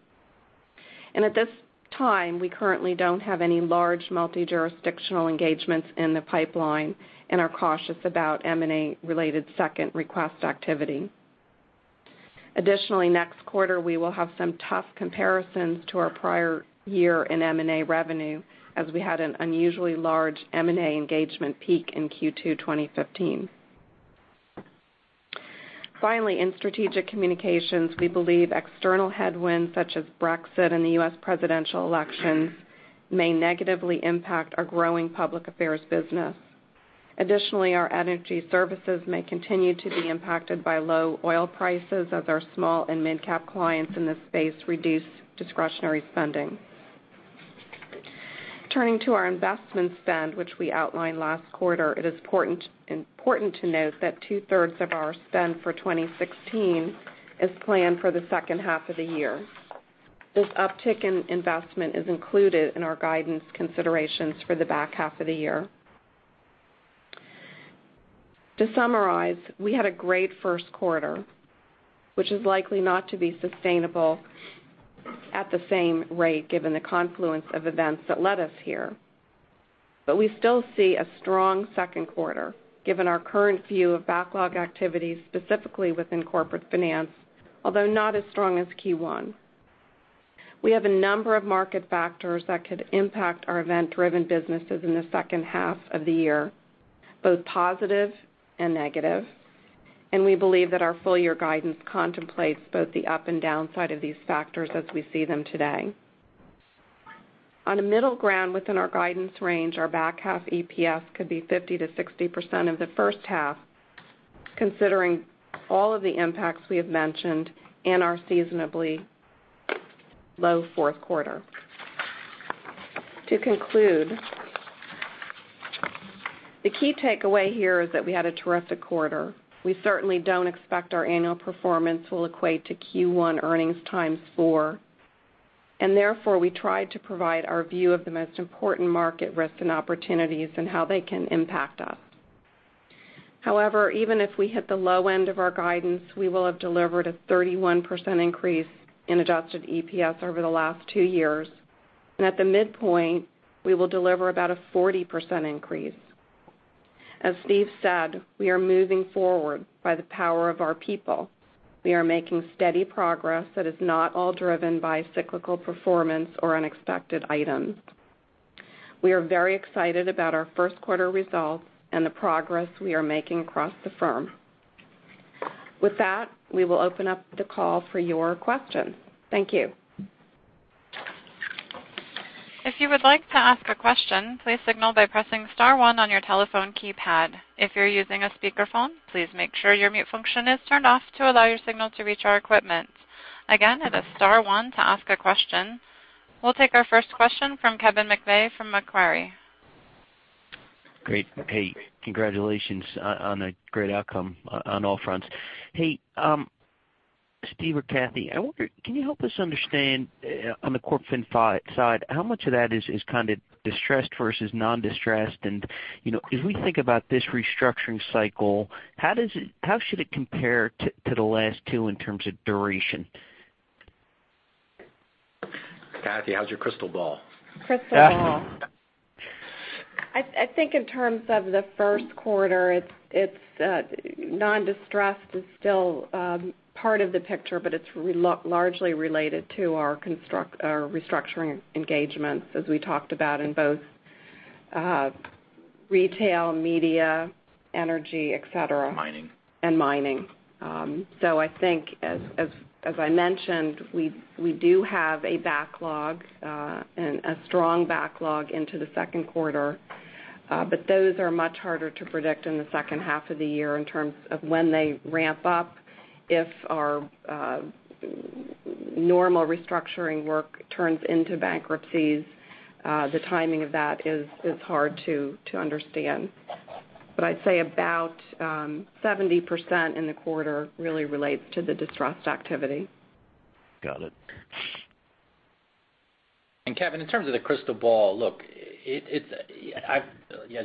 At this time, we currently don't have any large multi-jurisdictional engagements in the pipeline and are cautious about M&A-related second request activity. Additionally, next quarter, we will have some tough comparisons to our prior year in M&A revenue, as we had an unusually large M&A engagement peak in Q2 2015. Finally, in Strategic Communications, we believe external headwinds such as Brexit and the U.S. presidential election may negatively impact our growing public affairs business. Additionally, our energy services may continue to be impacted by low oil prices as our small and mid-cap clients in this space reduce discretionary spending. Turning to our investment spend, which we outlined last quarter, it is important to note that two-thirds of our spend for 2016 is planned for the second half of the year. This uptick in investment is included in our guidance considerations for the back half of the year. To summarize, we had a great first quarter, which is likely not to be sustainable at the same rate given the confluence of events that led us here. We still see a strong second quarter given our current view of backlog activity specifically within Corporate Finance, although not as strong as Q1. We have a number of market factors that could impact our event-driven businesses in the second half of the year, both positive and negative, we believe that our full-year guidance contemplates both the up and downside of these factors as we see them today. On a middle ground within our guidance range, our back half EPS could be 50%-60% of the first half, considering all of the impacts we have mentioned and our seasonably low fourth quarter. To conclude, the key takeaway here is that we had a terrific quarter. We certainly don't expect our annual performance will equate to Q1 earnings times four, therefore, we try to provide our view of the most important market risks and opportunities and how they can impact us. However, even if we hit the low end of our guidance, we will have delivered a 31% increase in Adjusted EPS over the last two years, at the midpoint, we will deliver about a 40% increase. As Steve said, we are moving forward by the power of our people. We are making steady progress that is not all driven by cyclical performance or unexpected items. We are very excited about our first quarter results and the progress we are making across the firm. With that, we will open up the call for your questions. Thank you. If you would like to ask a question, please signal by pressing star one on your telephone keypad. If you're using a speakerphone, please make sure your mute function is turned off to allow your signal to reach our equipment. Again, it is star one to ask a question. We'll take our first question from Kevin McVeigh from Macquarie. Great. Hey, congratulations on a great outcome on all fronts. Hey, Steve or Cathy, I wonder, can you help us understand on the Corp Fin side, how much of that is kind of distressed versus non-distressed? As we think about this restructuring cycle, how should it compare to the last two in terms of duration? Cathy, how's your crystal ball? Crystal ball. I think in terms of the first quarter, non-distressed is still part of the picture, but it's largely related to our restructuring engagements as we talked about in both retail, media, energy, et cetera. Mining. Mining. I think, as I mentioned, we do have a backlog, and a strong backlog into the second quarter. Those are much harder to predict in the second half of the year in terms of when they ramp up. If our normal restructuring work turns into bankruptcies, the timing of that is hard to understand. I'd say about 70% in the quarter really relates to the distressed activity. Got it. Kevin, in terms of the crystal ball, look, as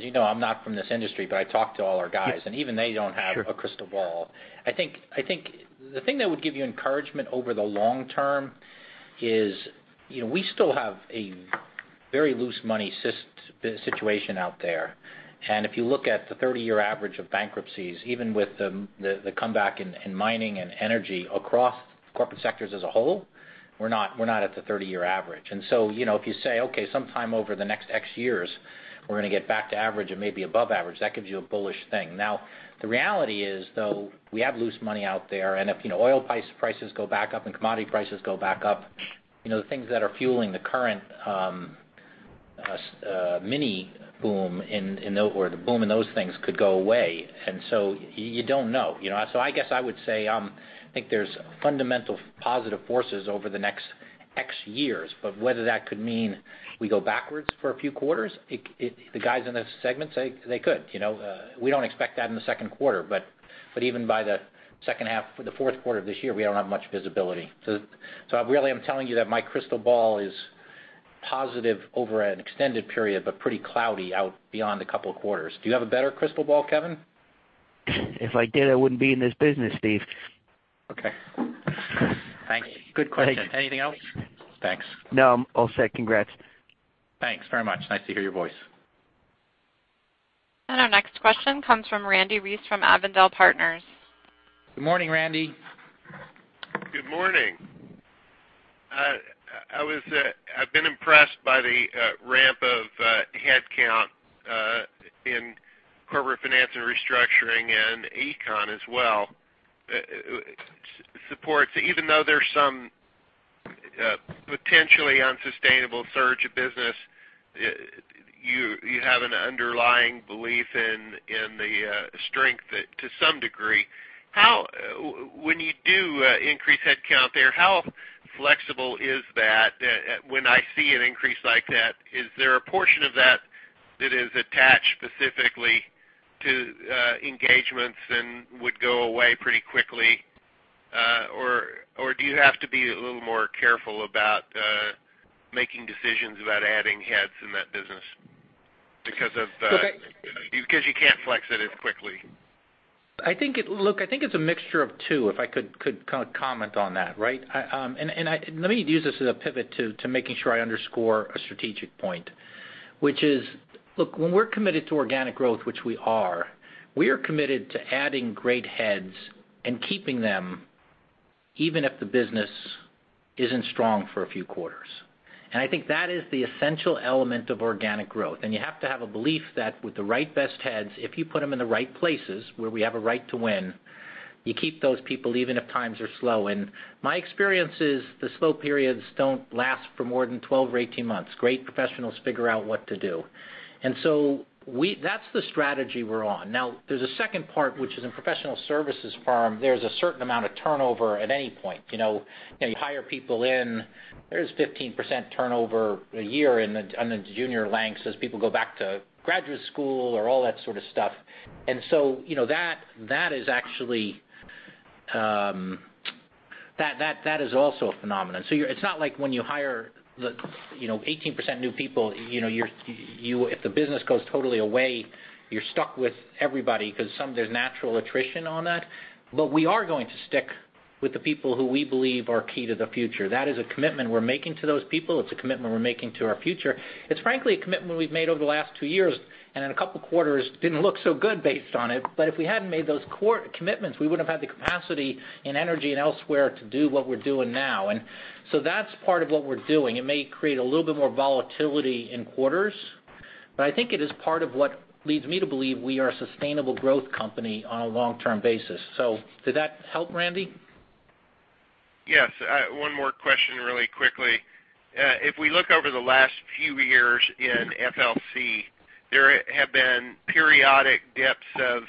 you know, I'm not from this industry, but I talk to all our guys- Yeah Even they don't have- Sure a crystal ball. I think the thing that would give you encouragement over the long term is we still have a very loose money situation out there. If you look at the 30-year average of bankruptcies, even with the comeback in mining and energy across corporate sectors as a whole, we're not at the 30-year average. If you say, okay, sometime over the next X years, we're going to get back to average and maybe above average, that gives you a bullish thing. The reality is, though, we have loose money out there. If oil prices go back up and commodity prices go back up, the things that are fueling the current mini boom, or the boom in those things could go away. You don't know. I guess I would say, I think there's fundamental positive forces over the next X years, but whether that could mean we go backwards for a few quarters, the guys in this segment say they could. We don't expect that in the second quarter, but even by the second half or the fourth quarter of this year, we don't have much visibility. I really am telling you that my crystal ball is positive over an extended period, but pretty cloudy out beyond a couple of quarters. Do you have a better crystal ball, Kevin? If I did, I wouldn't be in this business, Steve. Okay. Thanks. Good question. Anything else? Thanks. No, I'm all set. Congrats. Thanks very much. Nice to hear your voice. Our next question comes from Randle Reece from Avondale Partners. Good morning, Randy. Good morning. I've been impressed by the ramp of headcount in Corporate Finance & Restructuring and Econ as well. Supports even though there's some potentially unsustainable surge of business, you have an underlying belief in the strength to some degree. When you do increase headcount there, how flexible is that when I see an increase like that? Is there a portion of that that is attached specifically to engagements and would go away pretty quickly? Or do you have to be a little more careful about making decisions about adding heads in that business because you can't flex it as quickly? Look, I think it's a mixture of two, if I could comment on that, right? Let me use this as a pivot to making sure I underscore a strategic point, which is, look, when we're committed to organic growth, which we are, we are committed to adding great heads and keeping them even if the business isn't strong for a few quarters. I think that is the essential element of organic growth. You have to have a belief that with the right best heads, if you put them in the right places where we have a right to win. You keep those people even if times are slow. My experience is the slow periods don't last for more than 12 or 18 months. Great professionals figure out what to do. So that's the strategy we're on. There's a second part, which is in professional services firm, there's a certain amount of turnover at any point. You hire people in, there's 15% turnover a year on the junior ranks as people go back to graduate school or all that sort of stuff. That is also a phenomenon. It's not like when you hire 18% new people, if the business goes totally away, you're stuck with everybody because there's natural attrition on that. We are going to stick with the people who we believe are key to the future. That is a commitment we're making to those people. It's a commitment we're making to our future. It's frankly a commitment we've made over the last two years, and in a couple of quarters, didn't look so good based on it. If we hadn't made those core commitments, we wouldn't have had the capacity and energy and elsewhere to do what we're doing now. That's part of what we're doing. It may create a little bit more volatility in quarters, but I think it is part of what leads me to believe we are a sustainable growth company on a long-term basis. Did that help, Randy? Yes. One more question really quickly. If we look over the last few years in FLC, there have been periodic dips of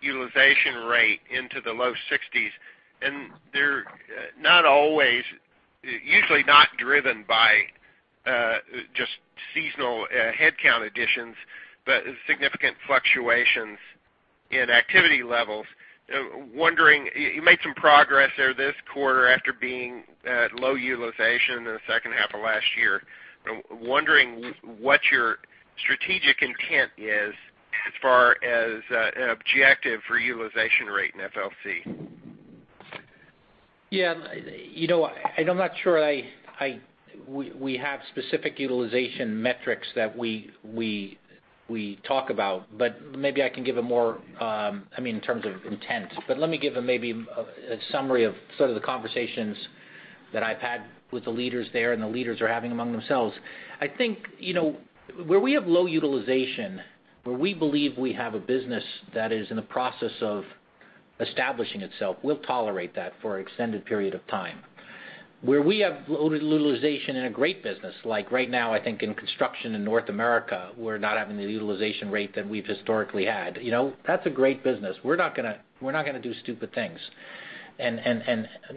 utilization rate into the low 60s, and they're usually not driven by just seasonal headcount additions, but significant fluctuations in activity levels. You made some progress there this quarter after being at low utilization in the second half of last year. I'm wondering what your strategic intent is as far as objective for utilization rate in FLC. Yeah. I'm not sure we have specific utilization metrics that we talk about, but maybe I can give a more, in terms of intent. Let me give maybe a summary of sort of the conversations that I've had with the leaders there and the leaders are having among themselves. I think where we have low utilization, where we believe we have a business that is in the process of establishing itself, we'll tolerate that for an extended period of time. Where we have low utilization in a great business, like right now, I think in construction in North America, we're not having the utilization rate that we've historically had. That's a great business. We're not going to do stupid things.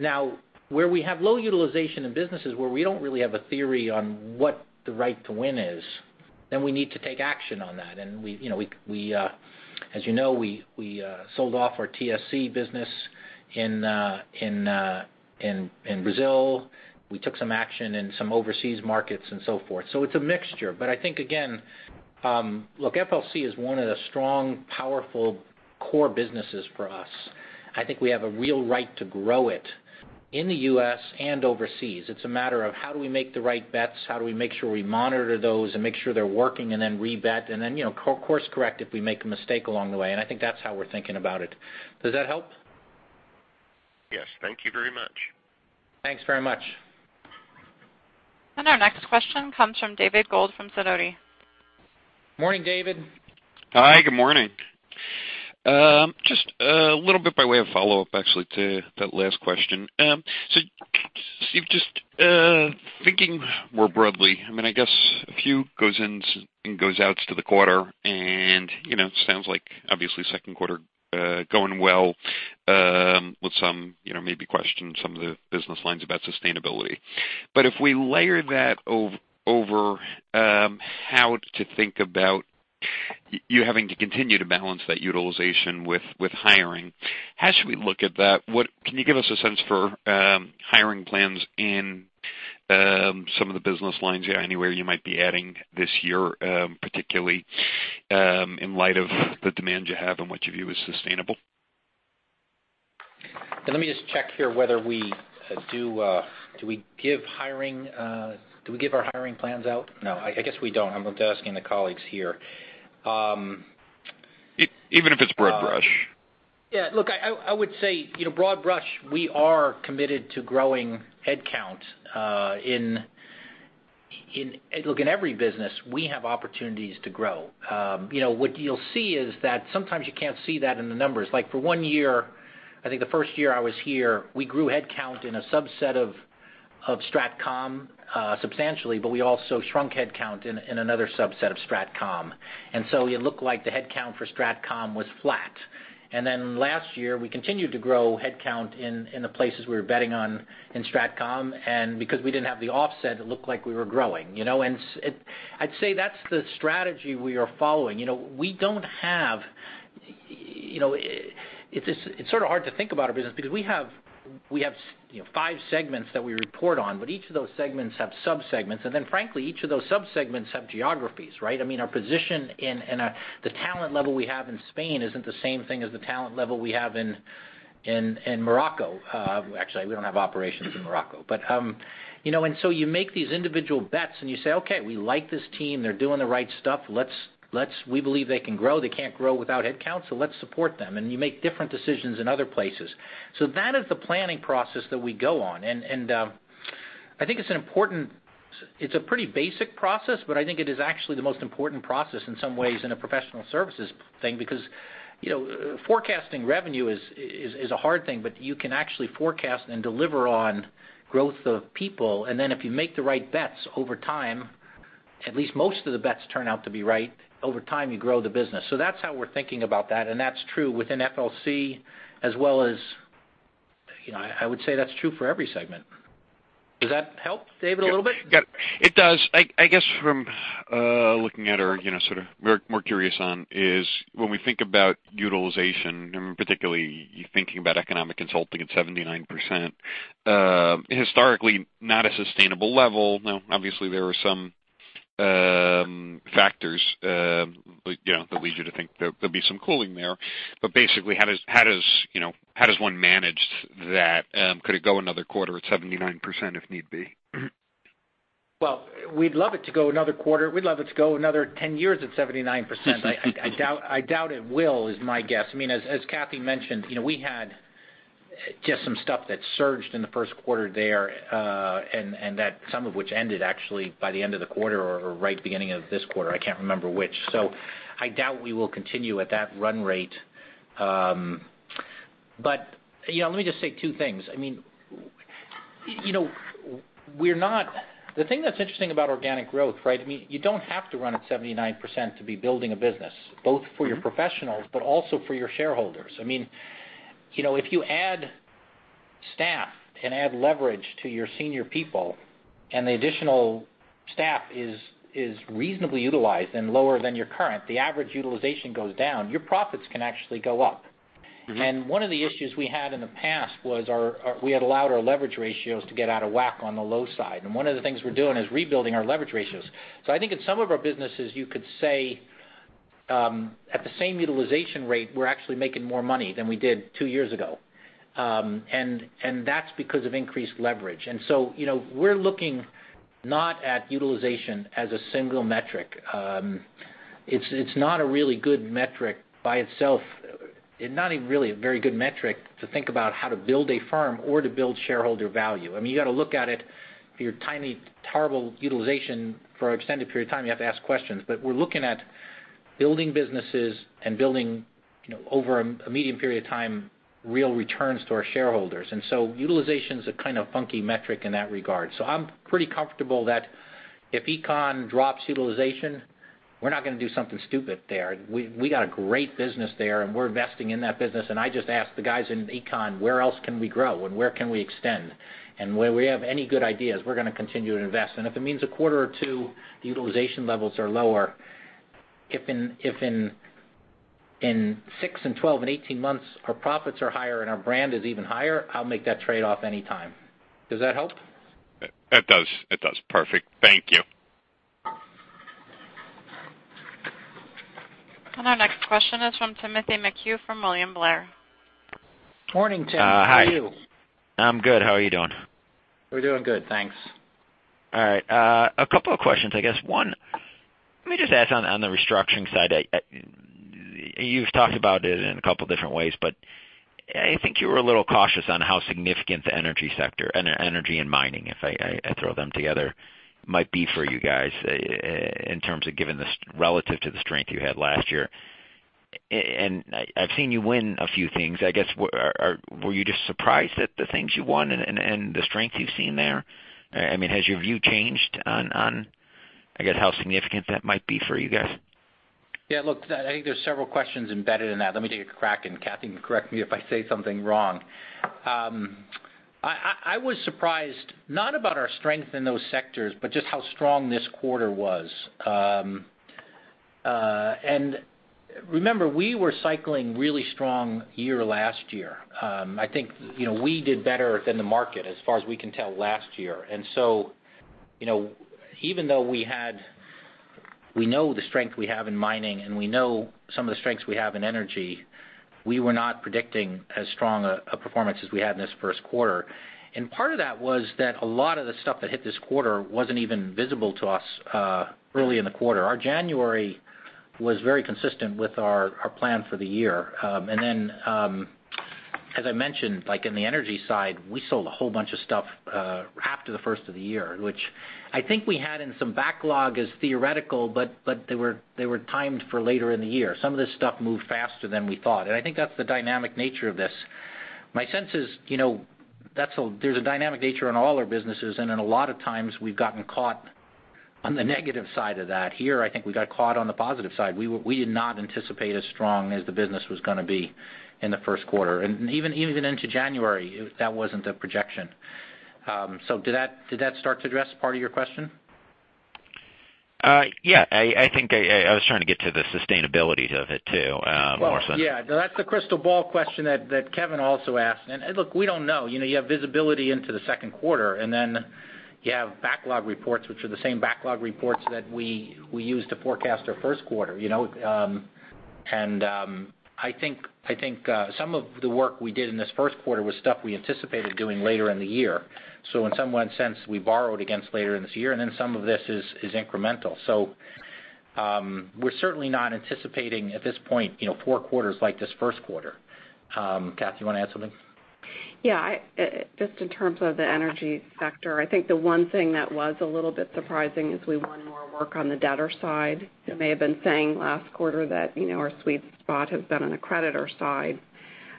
Now where we have low utilization in businesses where we don't really have a theory on what the right to win is, then we need to take action on that. As you know, we sold off our TSC business in Brazil. We took some action in some overseas markets and so forth. It's a mixture. I think, again, look, FLC is one of the strong, powerful core businesses for us. I think we have a real right to grow it in the U.S. and overseas. It's a matter of how do we make the right bets, how do we make sure we monitor those and make sure they're working and then re-bet and then course correct if we make a mistake along the way, I think that's how we're thinking about it. Does that help? Yes. Thank you very much. Thanks very much. Our next question comes from David Gold from Sidoti. Morning, David. Hi, good morning. Just a little bit by way of follow-up, actually, to that last question. Steve, just thinking more broadly, I guess a few goes ins and goes outs to the quarter, and it sounds like obviously second quarter going well, with some maybe questions, some of the business lines about sustainability. But if we layer that over how to think about you having to continue to balance that utilization with hiring, how should we look at that? Can you give us a sense for hiring plans in some of the business lines anywhere you might be adding this year, particularly, in light of the demand you have and what you view as sustainable? Let me just check here whether we do we give our hiring plans out? No, I guess we don't. I'm just asking the colleagues here. Even if it's broad brush. Yeah, look, I would say broad brush, we are committed to growing headcount. Look, in every business, we have opportunities to grow. What you'll see is that sometimes you can't see that in the numbers. Like for one year, I think the first year I was here, we grew headcount in a subset of Strategic Communications substantially, but we also shrunk headcount in another subset of Strategic Communications. It looked like the headcount for Strategic Communications was flat. Last year, we continued to grow headcount in the places we were betting on in Strategic Communications, and because we didn't have the offset, it looked like we were growing. I'd say that's the strategy we are following. It's sort of hard to think about our business because we have five segments that we report on, but each of those segments have sub-segments. Frankly, each of those sub-segments have geographies, right? Our position and the talent level we have in Spain isn't the same thing as the talent level we have in Morocco. Actually, we don't have operations in Morocco. You make these individual bets and you say, "Okay, we like this team. They're doing the right stuff. We believe they can grow. They can't grow without headcount, so let's support them." You make different decisions in other places. That is the planning process that we go on. I think it's a pretty basic process, but I think it is actually the most important process in some ways in a professional services thing, because forecasting revenue is a hard thing, but you can actually forecast and deliver on growth of people. If you make the right bets over time, at least most of the bets turn out to be right, over time you grow the business. That's how we're thinking about that, and that's true within FLC as well as, I would say that's true for every segment. Does that help, David, a little bit? Yep, got it. It does. I guess from looking at our sort of more curious on is when we think about utilization, and particularly thinking about Economic Consulting at 79%, historically, not a sustainable level. Now, obviously, there are some factors that lead you to think there'll be some cooling there. Basically, how does one manage that? Could it go another quarter at 79% if need be? We'd love it to go another quarter. We'd love it to go another 10 years at 79%. I doubt it will, is my guess. As Cathy mentioned, we had just some stuff that surged in the first quarter there, and that some of which ended actually by the end of the quarter or right beginning of this quarter. I can't remember which. I doubt we will continue at that run rate. Let me just say two things. The thing that's interesting about organic growth, you don't have to run at 79% to be building a business, both for your professionals, but also for your shareholders. If you add staff and add leverage to your senior people, and the additional staff is reasonably utilized and lower than your current, the average utilization goes down, your profits can actually go up. One of the issues we had in the past was we had allowed our leverage ratios to get out of whack on the low side. One of the things we're doing is rebuilding our leverage ratios. I think in some of our businesses, you could say at the same utilization rate, we're actually making more money than we did two years ago. That's because of increased leverage. We're looking not at utilization as a single metric. It's not a really good metric by itself. Not even really a very good metric to think about how to build a firm or to build shareholder value. You got to look at it, if you're tiny, terrible utilization for an extended period of time, you have to ask questions. We're looking at building businesses and building over a medium period of time real returns to our shareholders. Utilization's a kind of funky metric in that regard. I'm pretty comfortable that if Economic Consulting drops utilization, we're not going to do something stupid there. We got a great business there, and we're investing in that business. I just ask the guys in Economic Consulting, where else can we grow and where can we extend? Where we have any good ideas, we're going to continue to invest. If it means a quarter or two utilization levels are lower, if in 6 and 12 and 18 months our profits are higher and our brand is even higher, I'll make that trade-off anytime. Does that help? It does. Perfect. Thank you. Our next question is from Timothy McHugh from William Blair. Morning, Tim. How are you? Hi. I'm good. How are you doing? We're doing good, thanks. All right. A couple of questions, I guess. One, let me just ask on the Restructuring side. You've talked about it in a couple different ways, but I think you were a little cautious on how significant the energy sector, energy and mining, if I throw them together, might be for you guys in terms of given this relative to the strength you had last year. I've seen you win a few things. Were you just surprised at the things you won and the strength you've seen there? Has your view changed on how significant that might be for you guys? Yeah, look, I think there's several questions embedded in that. Let me take a crack, and Cathy can correct me if I say something wrong. I was surprised not about our strength in those sectors, but just how strong this quarter was. Remember, we were cycling really strong year last year. I think we did better than the market as far as we can tell last year. Even though we know the strength we have in mining, and we know some of the strengths we have in energy, we were not predicting as strong a performance as we had in this first quarter. Part of that was that a lot of the stuff that hit this quarter wasn't even visible to us early in the quarter. Our January was very consistent with our plan for the year. As I mentioned, like in the energy side, we sold a whole bunch of stuff after the first of the year, which I think we had in some backlog as theoretical, but they were timed for later in the year. Some of this stuff moved faster than we thought, and I think that's the dynamic nature of this. My sense is there's a dynamic nature in all our businesses, and in a lot of times we've gotten caught on the negative side of that. Here, I think we got caught on the positive side. We did not anticipate as strong as the business was going to be in the first quarter. Even into January, that wasn't the projection. Did that start to address part of your question? Yeah. I was trying to get to the sustainability of it, too, more so. Well, yeah. That's the crystal ball question that Kevin also asked. Look, we don't know. You have visibility into the second quarter, then you have backlog reports, which are the same backlog reports that we use to forecast our first quarter. I think some of the work we did in this first quarter was stuff we anticipated doing later in the year. In some sense, we borrowed against later in this year, then some of this is incremental. We're certainly not anticipating, at this point, four quarters like this first quarter. Kath, you want to add something? Yeah. Just in terms of the energy sector, I think the one thing that was a little bit surprising is we won more work on the debtor side. We may have been saying last quarter that our sweet spot has been on the creditor side.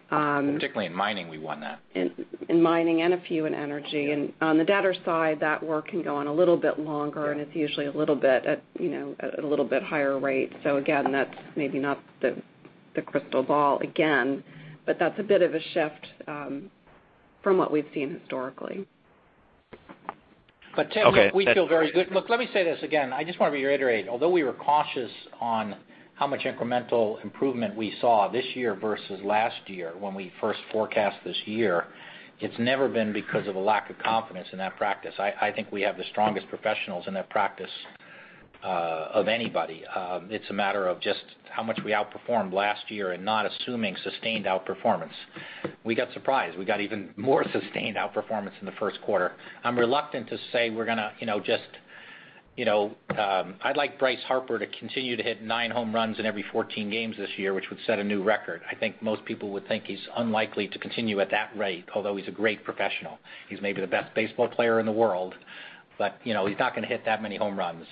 Particularly in mining, we won that. In mining and a few in energy. On the debtor side, that work can go on a little bit longer, and it's usually a little bit higher rate. Again, that's maybe not the crystal ball again, but that's a bit of a shift from what we've seen historically. Tim, we feel very good. Look, let me say this again. I just want to reiterate, although we were cautious on how much incremental improvement we saw this year versus last year when we first forecast this year, it's never been because of a lack of confidence in that practice. I think we have the strongest professionals in that practice of anybody. It's a matter of just how much we outperformed last year and not assuming sustained outperformance. We got surprised. We got even more sustained outperformance in the first quarter. I'm reluctant to say we're going to just. I'd like Bryce Harper to continue to hit nine home runs in every 14 games this year, which would set a new record. I think most people would think he's unlikely to continue at that rate, although he's a great professional. He's maybe the best baseball player in the world, he's not going to hit that many home runs.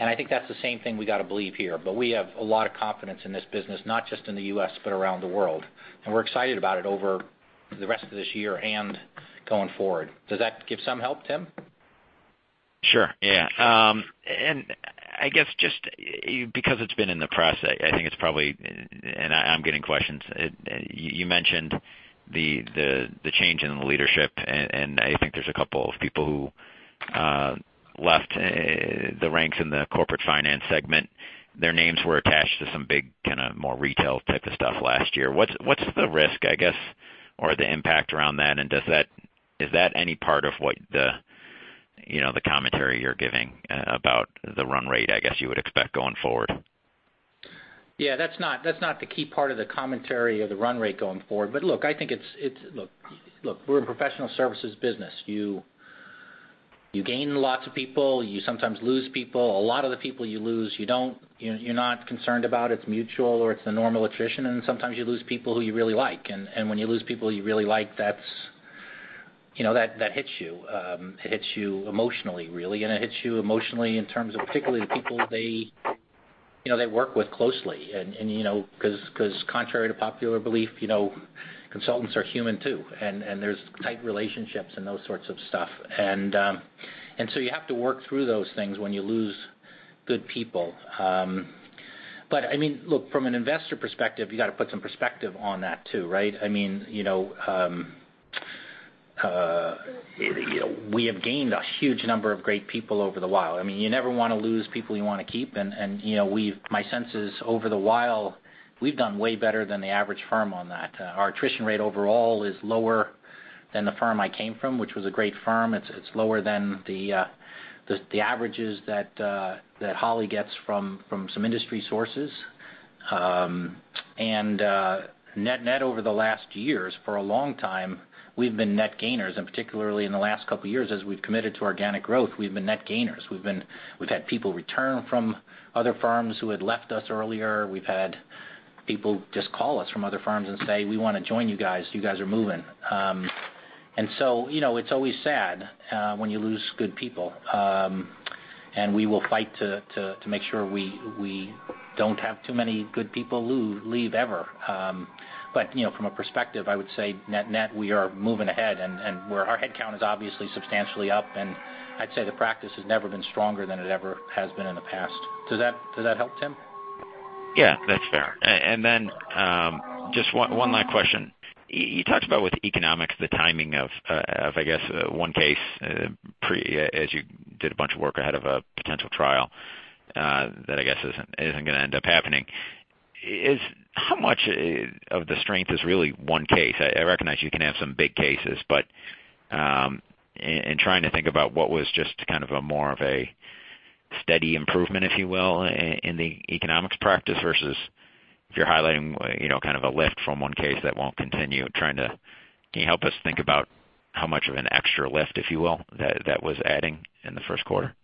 I think that's the same thing we got to believe here. We have a lot of confidence in this business, not just in the U.S., but around the world, and we're excited about it over the rest of this year and going forward. Does that give some help, Tim? Sure. Yeah. I guess just because it's been in the press, I think it's probably. I'm getting questions. You mentioned the change in the leadership, I think there's a couple of people who left the ranks in the Corporate Finance segment. Their names were attached to some big, kind of more retail type of stuff last year. What's the risk, I guess, or the impact around that? Is that any part of what the commentary you're giving about the run rate, I guess you would expect going forward? Yeah, that's not the key part of the commentary of the run rate going forward. Look, I think it's. Look, we're a professional services business. You gain lots of people. You sometimes lose people. A lot of the people you lose, you're not concerned about. It's mutual or it's the normal attrition. Sometimes you lose people who you really like. When you lose people you really like, that hits you. It hits you emotionally, really. It hits you emotionally in terms of particularly the people they work with closely. Contrary to popular belief, consultants are human too, and there's tight relationships and those sorts of stuff. You have to work through those things when you lose good people. I mean, look, from an investor perspective, you got to put some perspective on that, too, right? I mean, we have gained a huge number of great people over the while. You never want to lose people you want to keep, and my sense is over the while, we've done way better than the average firm on that. Our attrition rate overall is lower than the firm I came from, which was a great firm. It's lower than the averages that Holly gets from some industry sources. Net over the last years, for a long time, we've been net gainers, and particularly in the last couple of years as we've committed to organic growth, we've been net gainers. We've had people return from other firms who had left us earlier. We've had people just call us from other firms and say, "We want to join you guys. You guys are moving." It's always sad when you lose good people, and we will fight to make sure we don't have too many good people leave ever. From a perspective, I would say net, we are moving ahead and where our head count is obviously substantially up, and I'd say the practice has never been stronger than it ever has been in the past. Does that help, Tim? Yeah, that's fair. Just one last question. You talked about with Economic Consulting, the timing of, I guess, one case as you did a bunch of work ahead of a potential trial that I guess isn't going to end up happening. How much of the strength is really one case? I recognize you can have some big cases, but in trying to think about what was just kind of a more of a steady improvement, if you will, in the Economic Consulting practice versus if you're highlighting kind of a lift from one case that won't continue trying to. Can you help us think about how much of an extra lift, if you will, that was adding in the first quarter?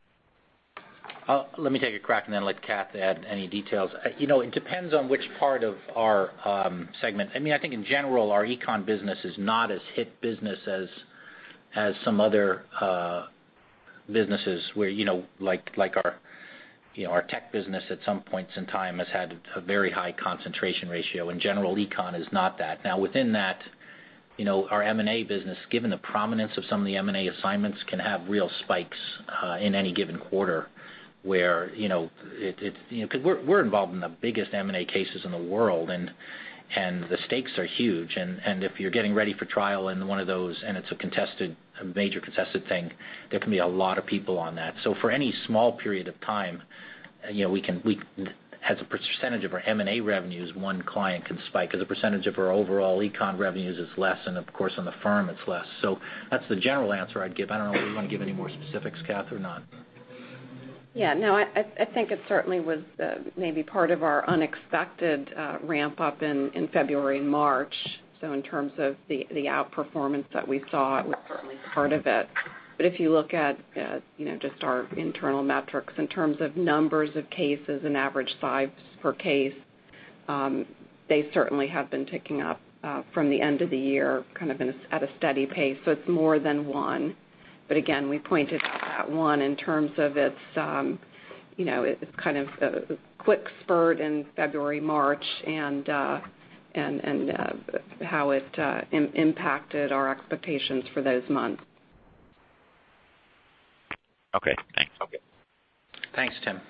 Let me take a crack and then let Cath add any details. It depends on which part of our segment. I think in general, our Economic Consulting business is not as hit business as some other businesses where like our tech business at some points in time has had a very high concentration ratio. In general, Economic Consulting is not that. Within that, our M&A business, given the prominence of some of the M&A assignments, can have real spikes in any given quarter where. Because we're involved in the biggest M&A cases in the world, and the stakes are huge, and if you're getting ready for trial in one of those, and it's a major contested thing, there can be a lot of people on that. For any small period of time, as a percentage of our M&A revenues, one client can spike. As a percentage of our overall Econ revenues is less, of course, on the firm, it's less. That's the general answer I'd give. I don't know if you want to give any more specifics, Cath, or not. Yeah. No, I think it certainly was maybe part of our unexpected ramp up in February and March. In terms of the outperformance that we saw, it was certainly part of it. If you look at just our internal metrics in terms of numbers of cases and average size per case. They certainly have been ticking up from the end of the year, kind of at a steady pace. It's more than one. Again, we pointed at one in terms of its kind of quick spurt in February, March, and how it impacted our expectations for those months. Okay, thanks. Okay. Thanks, Tim.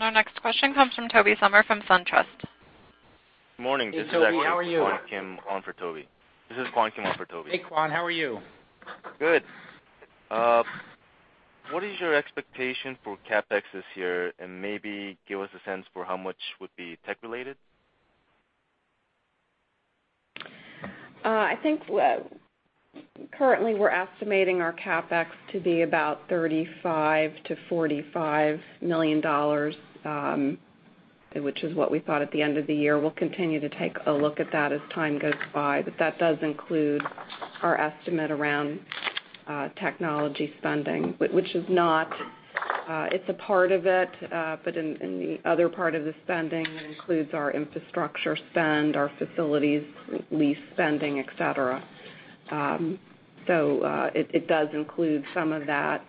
Our next question comes from Tobey Sommer from SunTrust. Morning, Tobey. How are you? This is Kwan Kim on for Tobey. Hey, Kwan. How are you? Good. What is your expectation for CapEx this year? Maybe give us a sense for how much would be tech-related. I think currently we're estimating our CapEx to be about $35 million-$45 million, which is what we thought at the end of the year. We'll continue to take a look at that as time goes by. That does include our estimate around technology spending. It's a part of it, but in the other part of the spending, it includes our infrastructure spend, our facilities lease spending, et cetera. It does include some of that.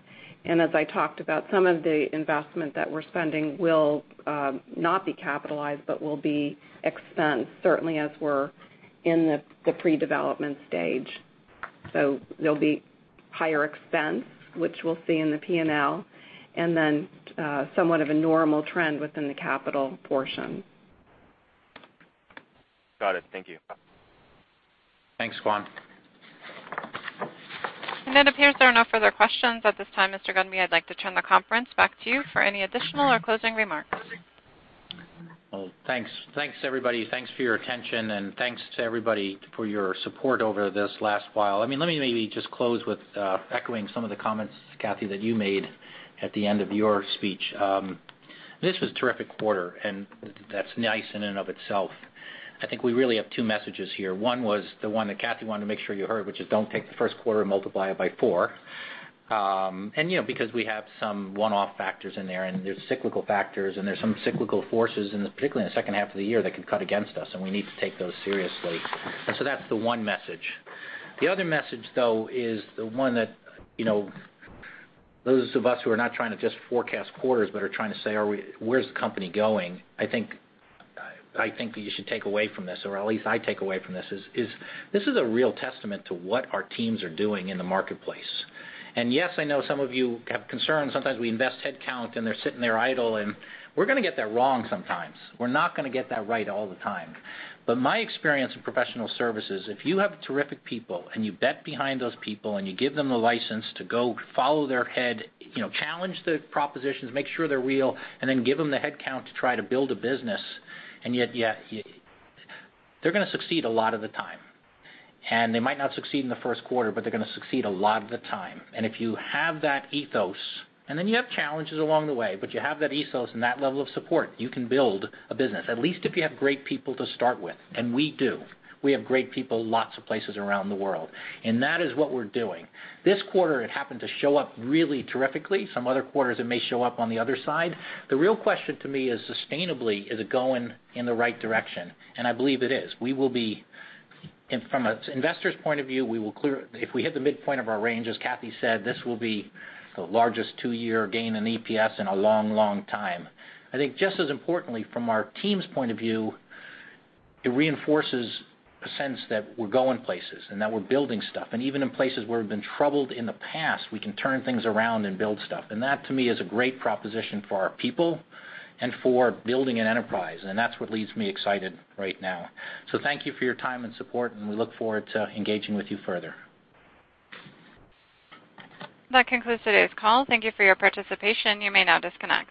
As I talked about, some of the investment that we're spending will not be capitalized but will be expensed, certainly as we're in the pre-development stage. There'll be higher expense, which we'll see in the P&L, and then somewhat of a normal trend within the capital portion. Got it. Thank you. Thanks, Kwan. It appears there are no further questions at this time. Mr. Gunby, I'd like to turn the conference back to you for any additional or closing remarks. Well, thanks. Thanks, everybody. Thanks for your attention, and thanks to everybody for your support over this last while. Let me maybe just close with echoing some of the comments, Cathy, that you made at the end of your speech. This was a terrific quarter, and that's nice in and of itself. I think we really have two messages here. One was the one that Cathy wanted to make sure you heard, which is don't take the first quarter and multiply it by four. Because we have some one-off factors in there, and there's cyclical factors, and there's some cyclical forces, particularly in the second half of the year, that could cut against us, and we need to take those seriously. So that's the one message. The other message, though, is the one that those of us who are not trying to just forecast quarters but are trying to say, "Where's the company going?" I think that you should take away from this, or at least I take away from this, is this is a real testament to what our teams are doing in the marketplace. Yes, I know some of you have concerns. Sometimes we invest headcount, and they're sitting there idle, and we're going to get that wrong sometimes. We're not going to get that right all the time. My experience in professional services, if you have terrific people and you bet behind those people, and you give them the license to go follow their head, challenge the propositions, make sure they're real, and then give them the headcount to try to build a business, they're going to succeed a lot of the time. They might not succeed in the first quarter, but they're going to succeed a lot of the time. If you have that ethos, and then you have challenges along the way, but you have that ethos and that level of support, you can build a business. At least if you have great people to start with, and we do. We have great people lots of places around the world, and that is what we're doing. This quarter, it happened to show up really terrifically. Some other quarters, it may show up on the other side. The real question to me is, sustainably, is it going in the right direction? I believe it is. From an investor's point of view, if we hit the midpoint of our range, as Cathy said, this will be the largest two-year gain in EPS in a long, long time. Just as importantly, from our team's point of view, it reinforces a sense that we're going places and that we're building stuff. Even in places where we've been troubled in the past, we can turn things around and build stuff. That, to me, is a great proposition for our people and for building an enterprise, and that's what leaves me excited right now. Thank you for your time and support, and we look forward to engaging with you further. That concludes today's call. Thank you for your participation. You may now disconnect.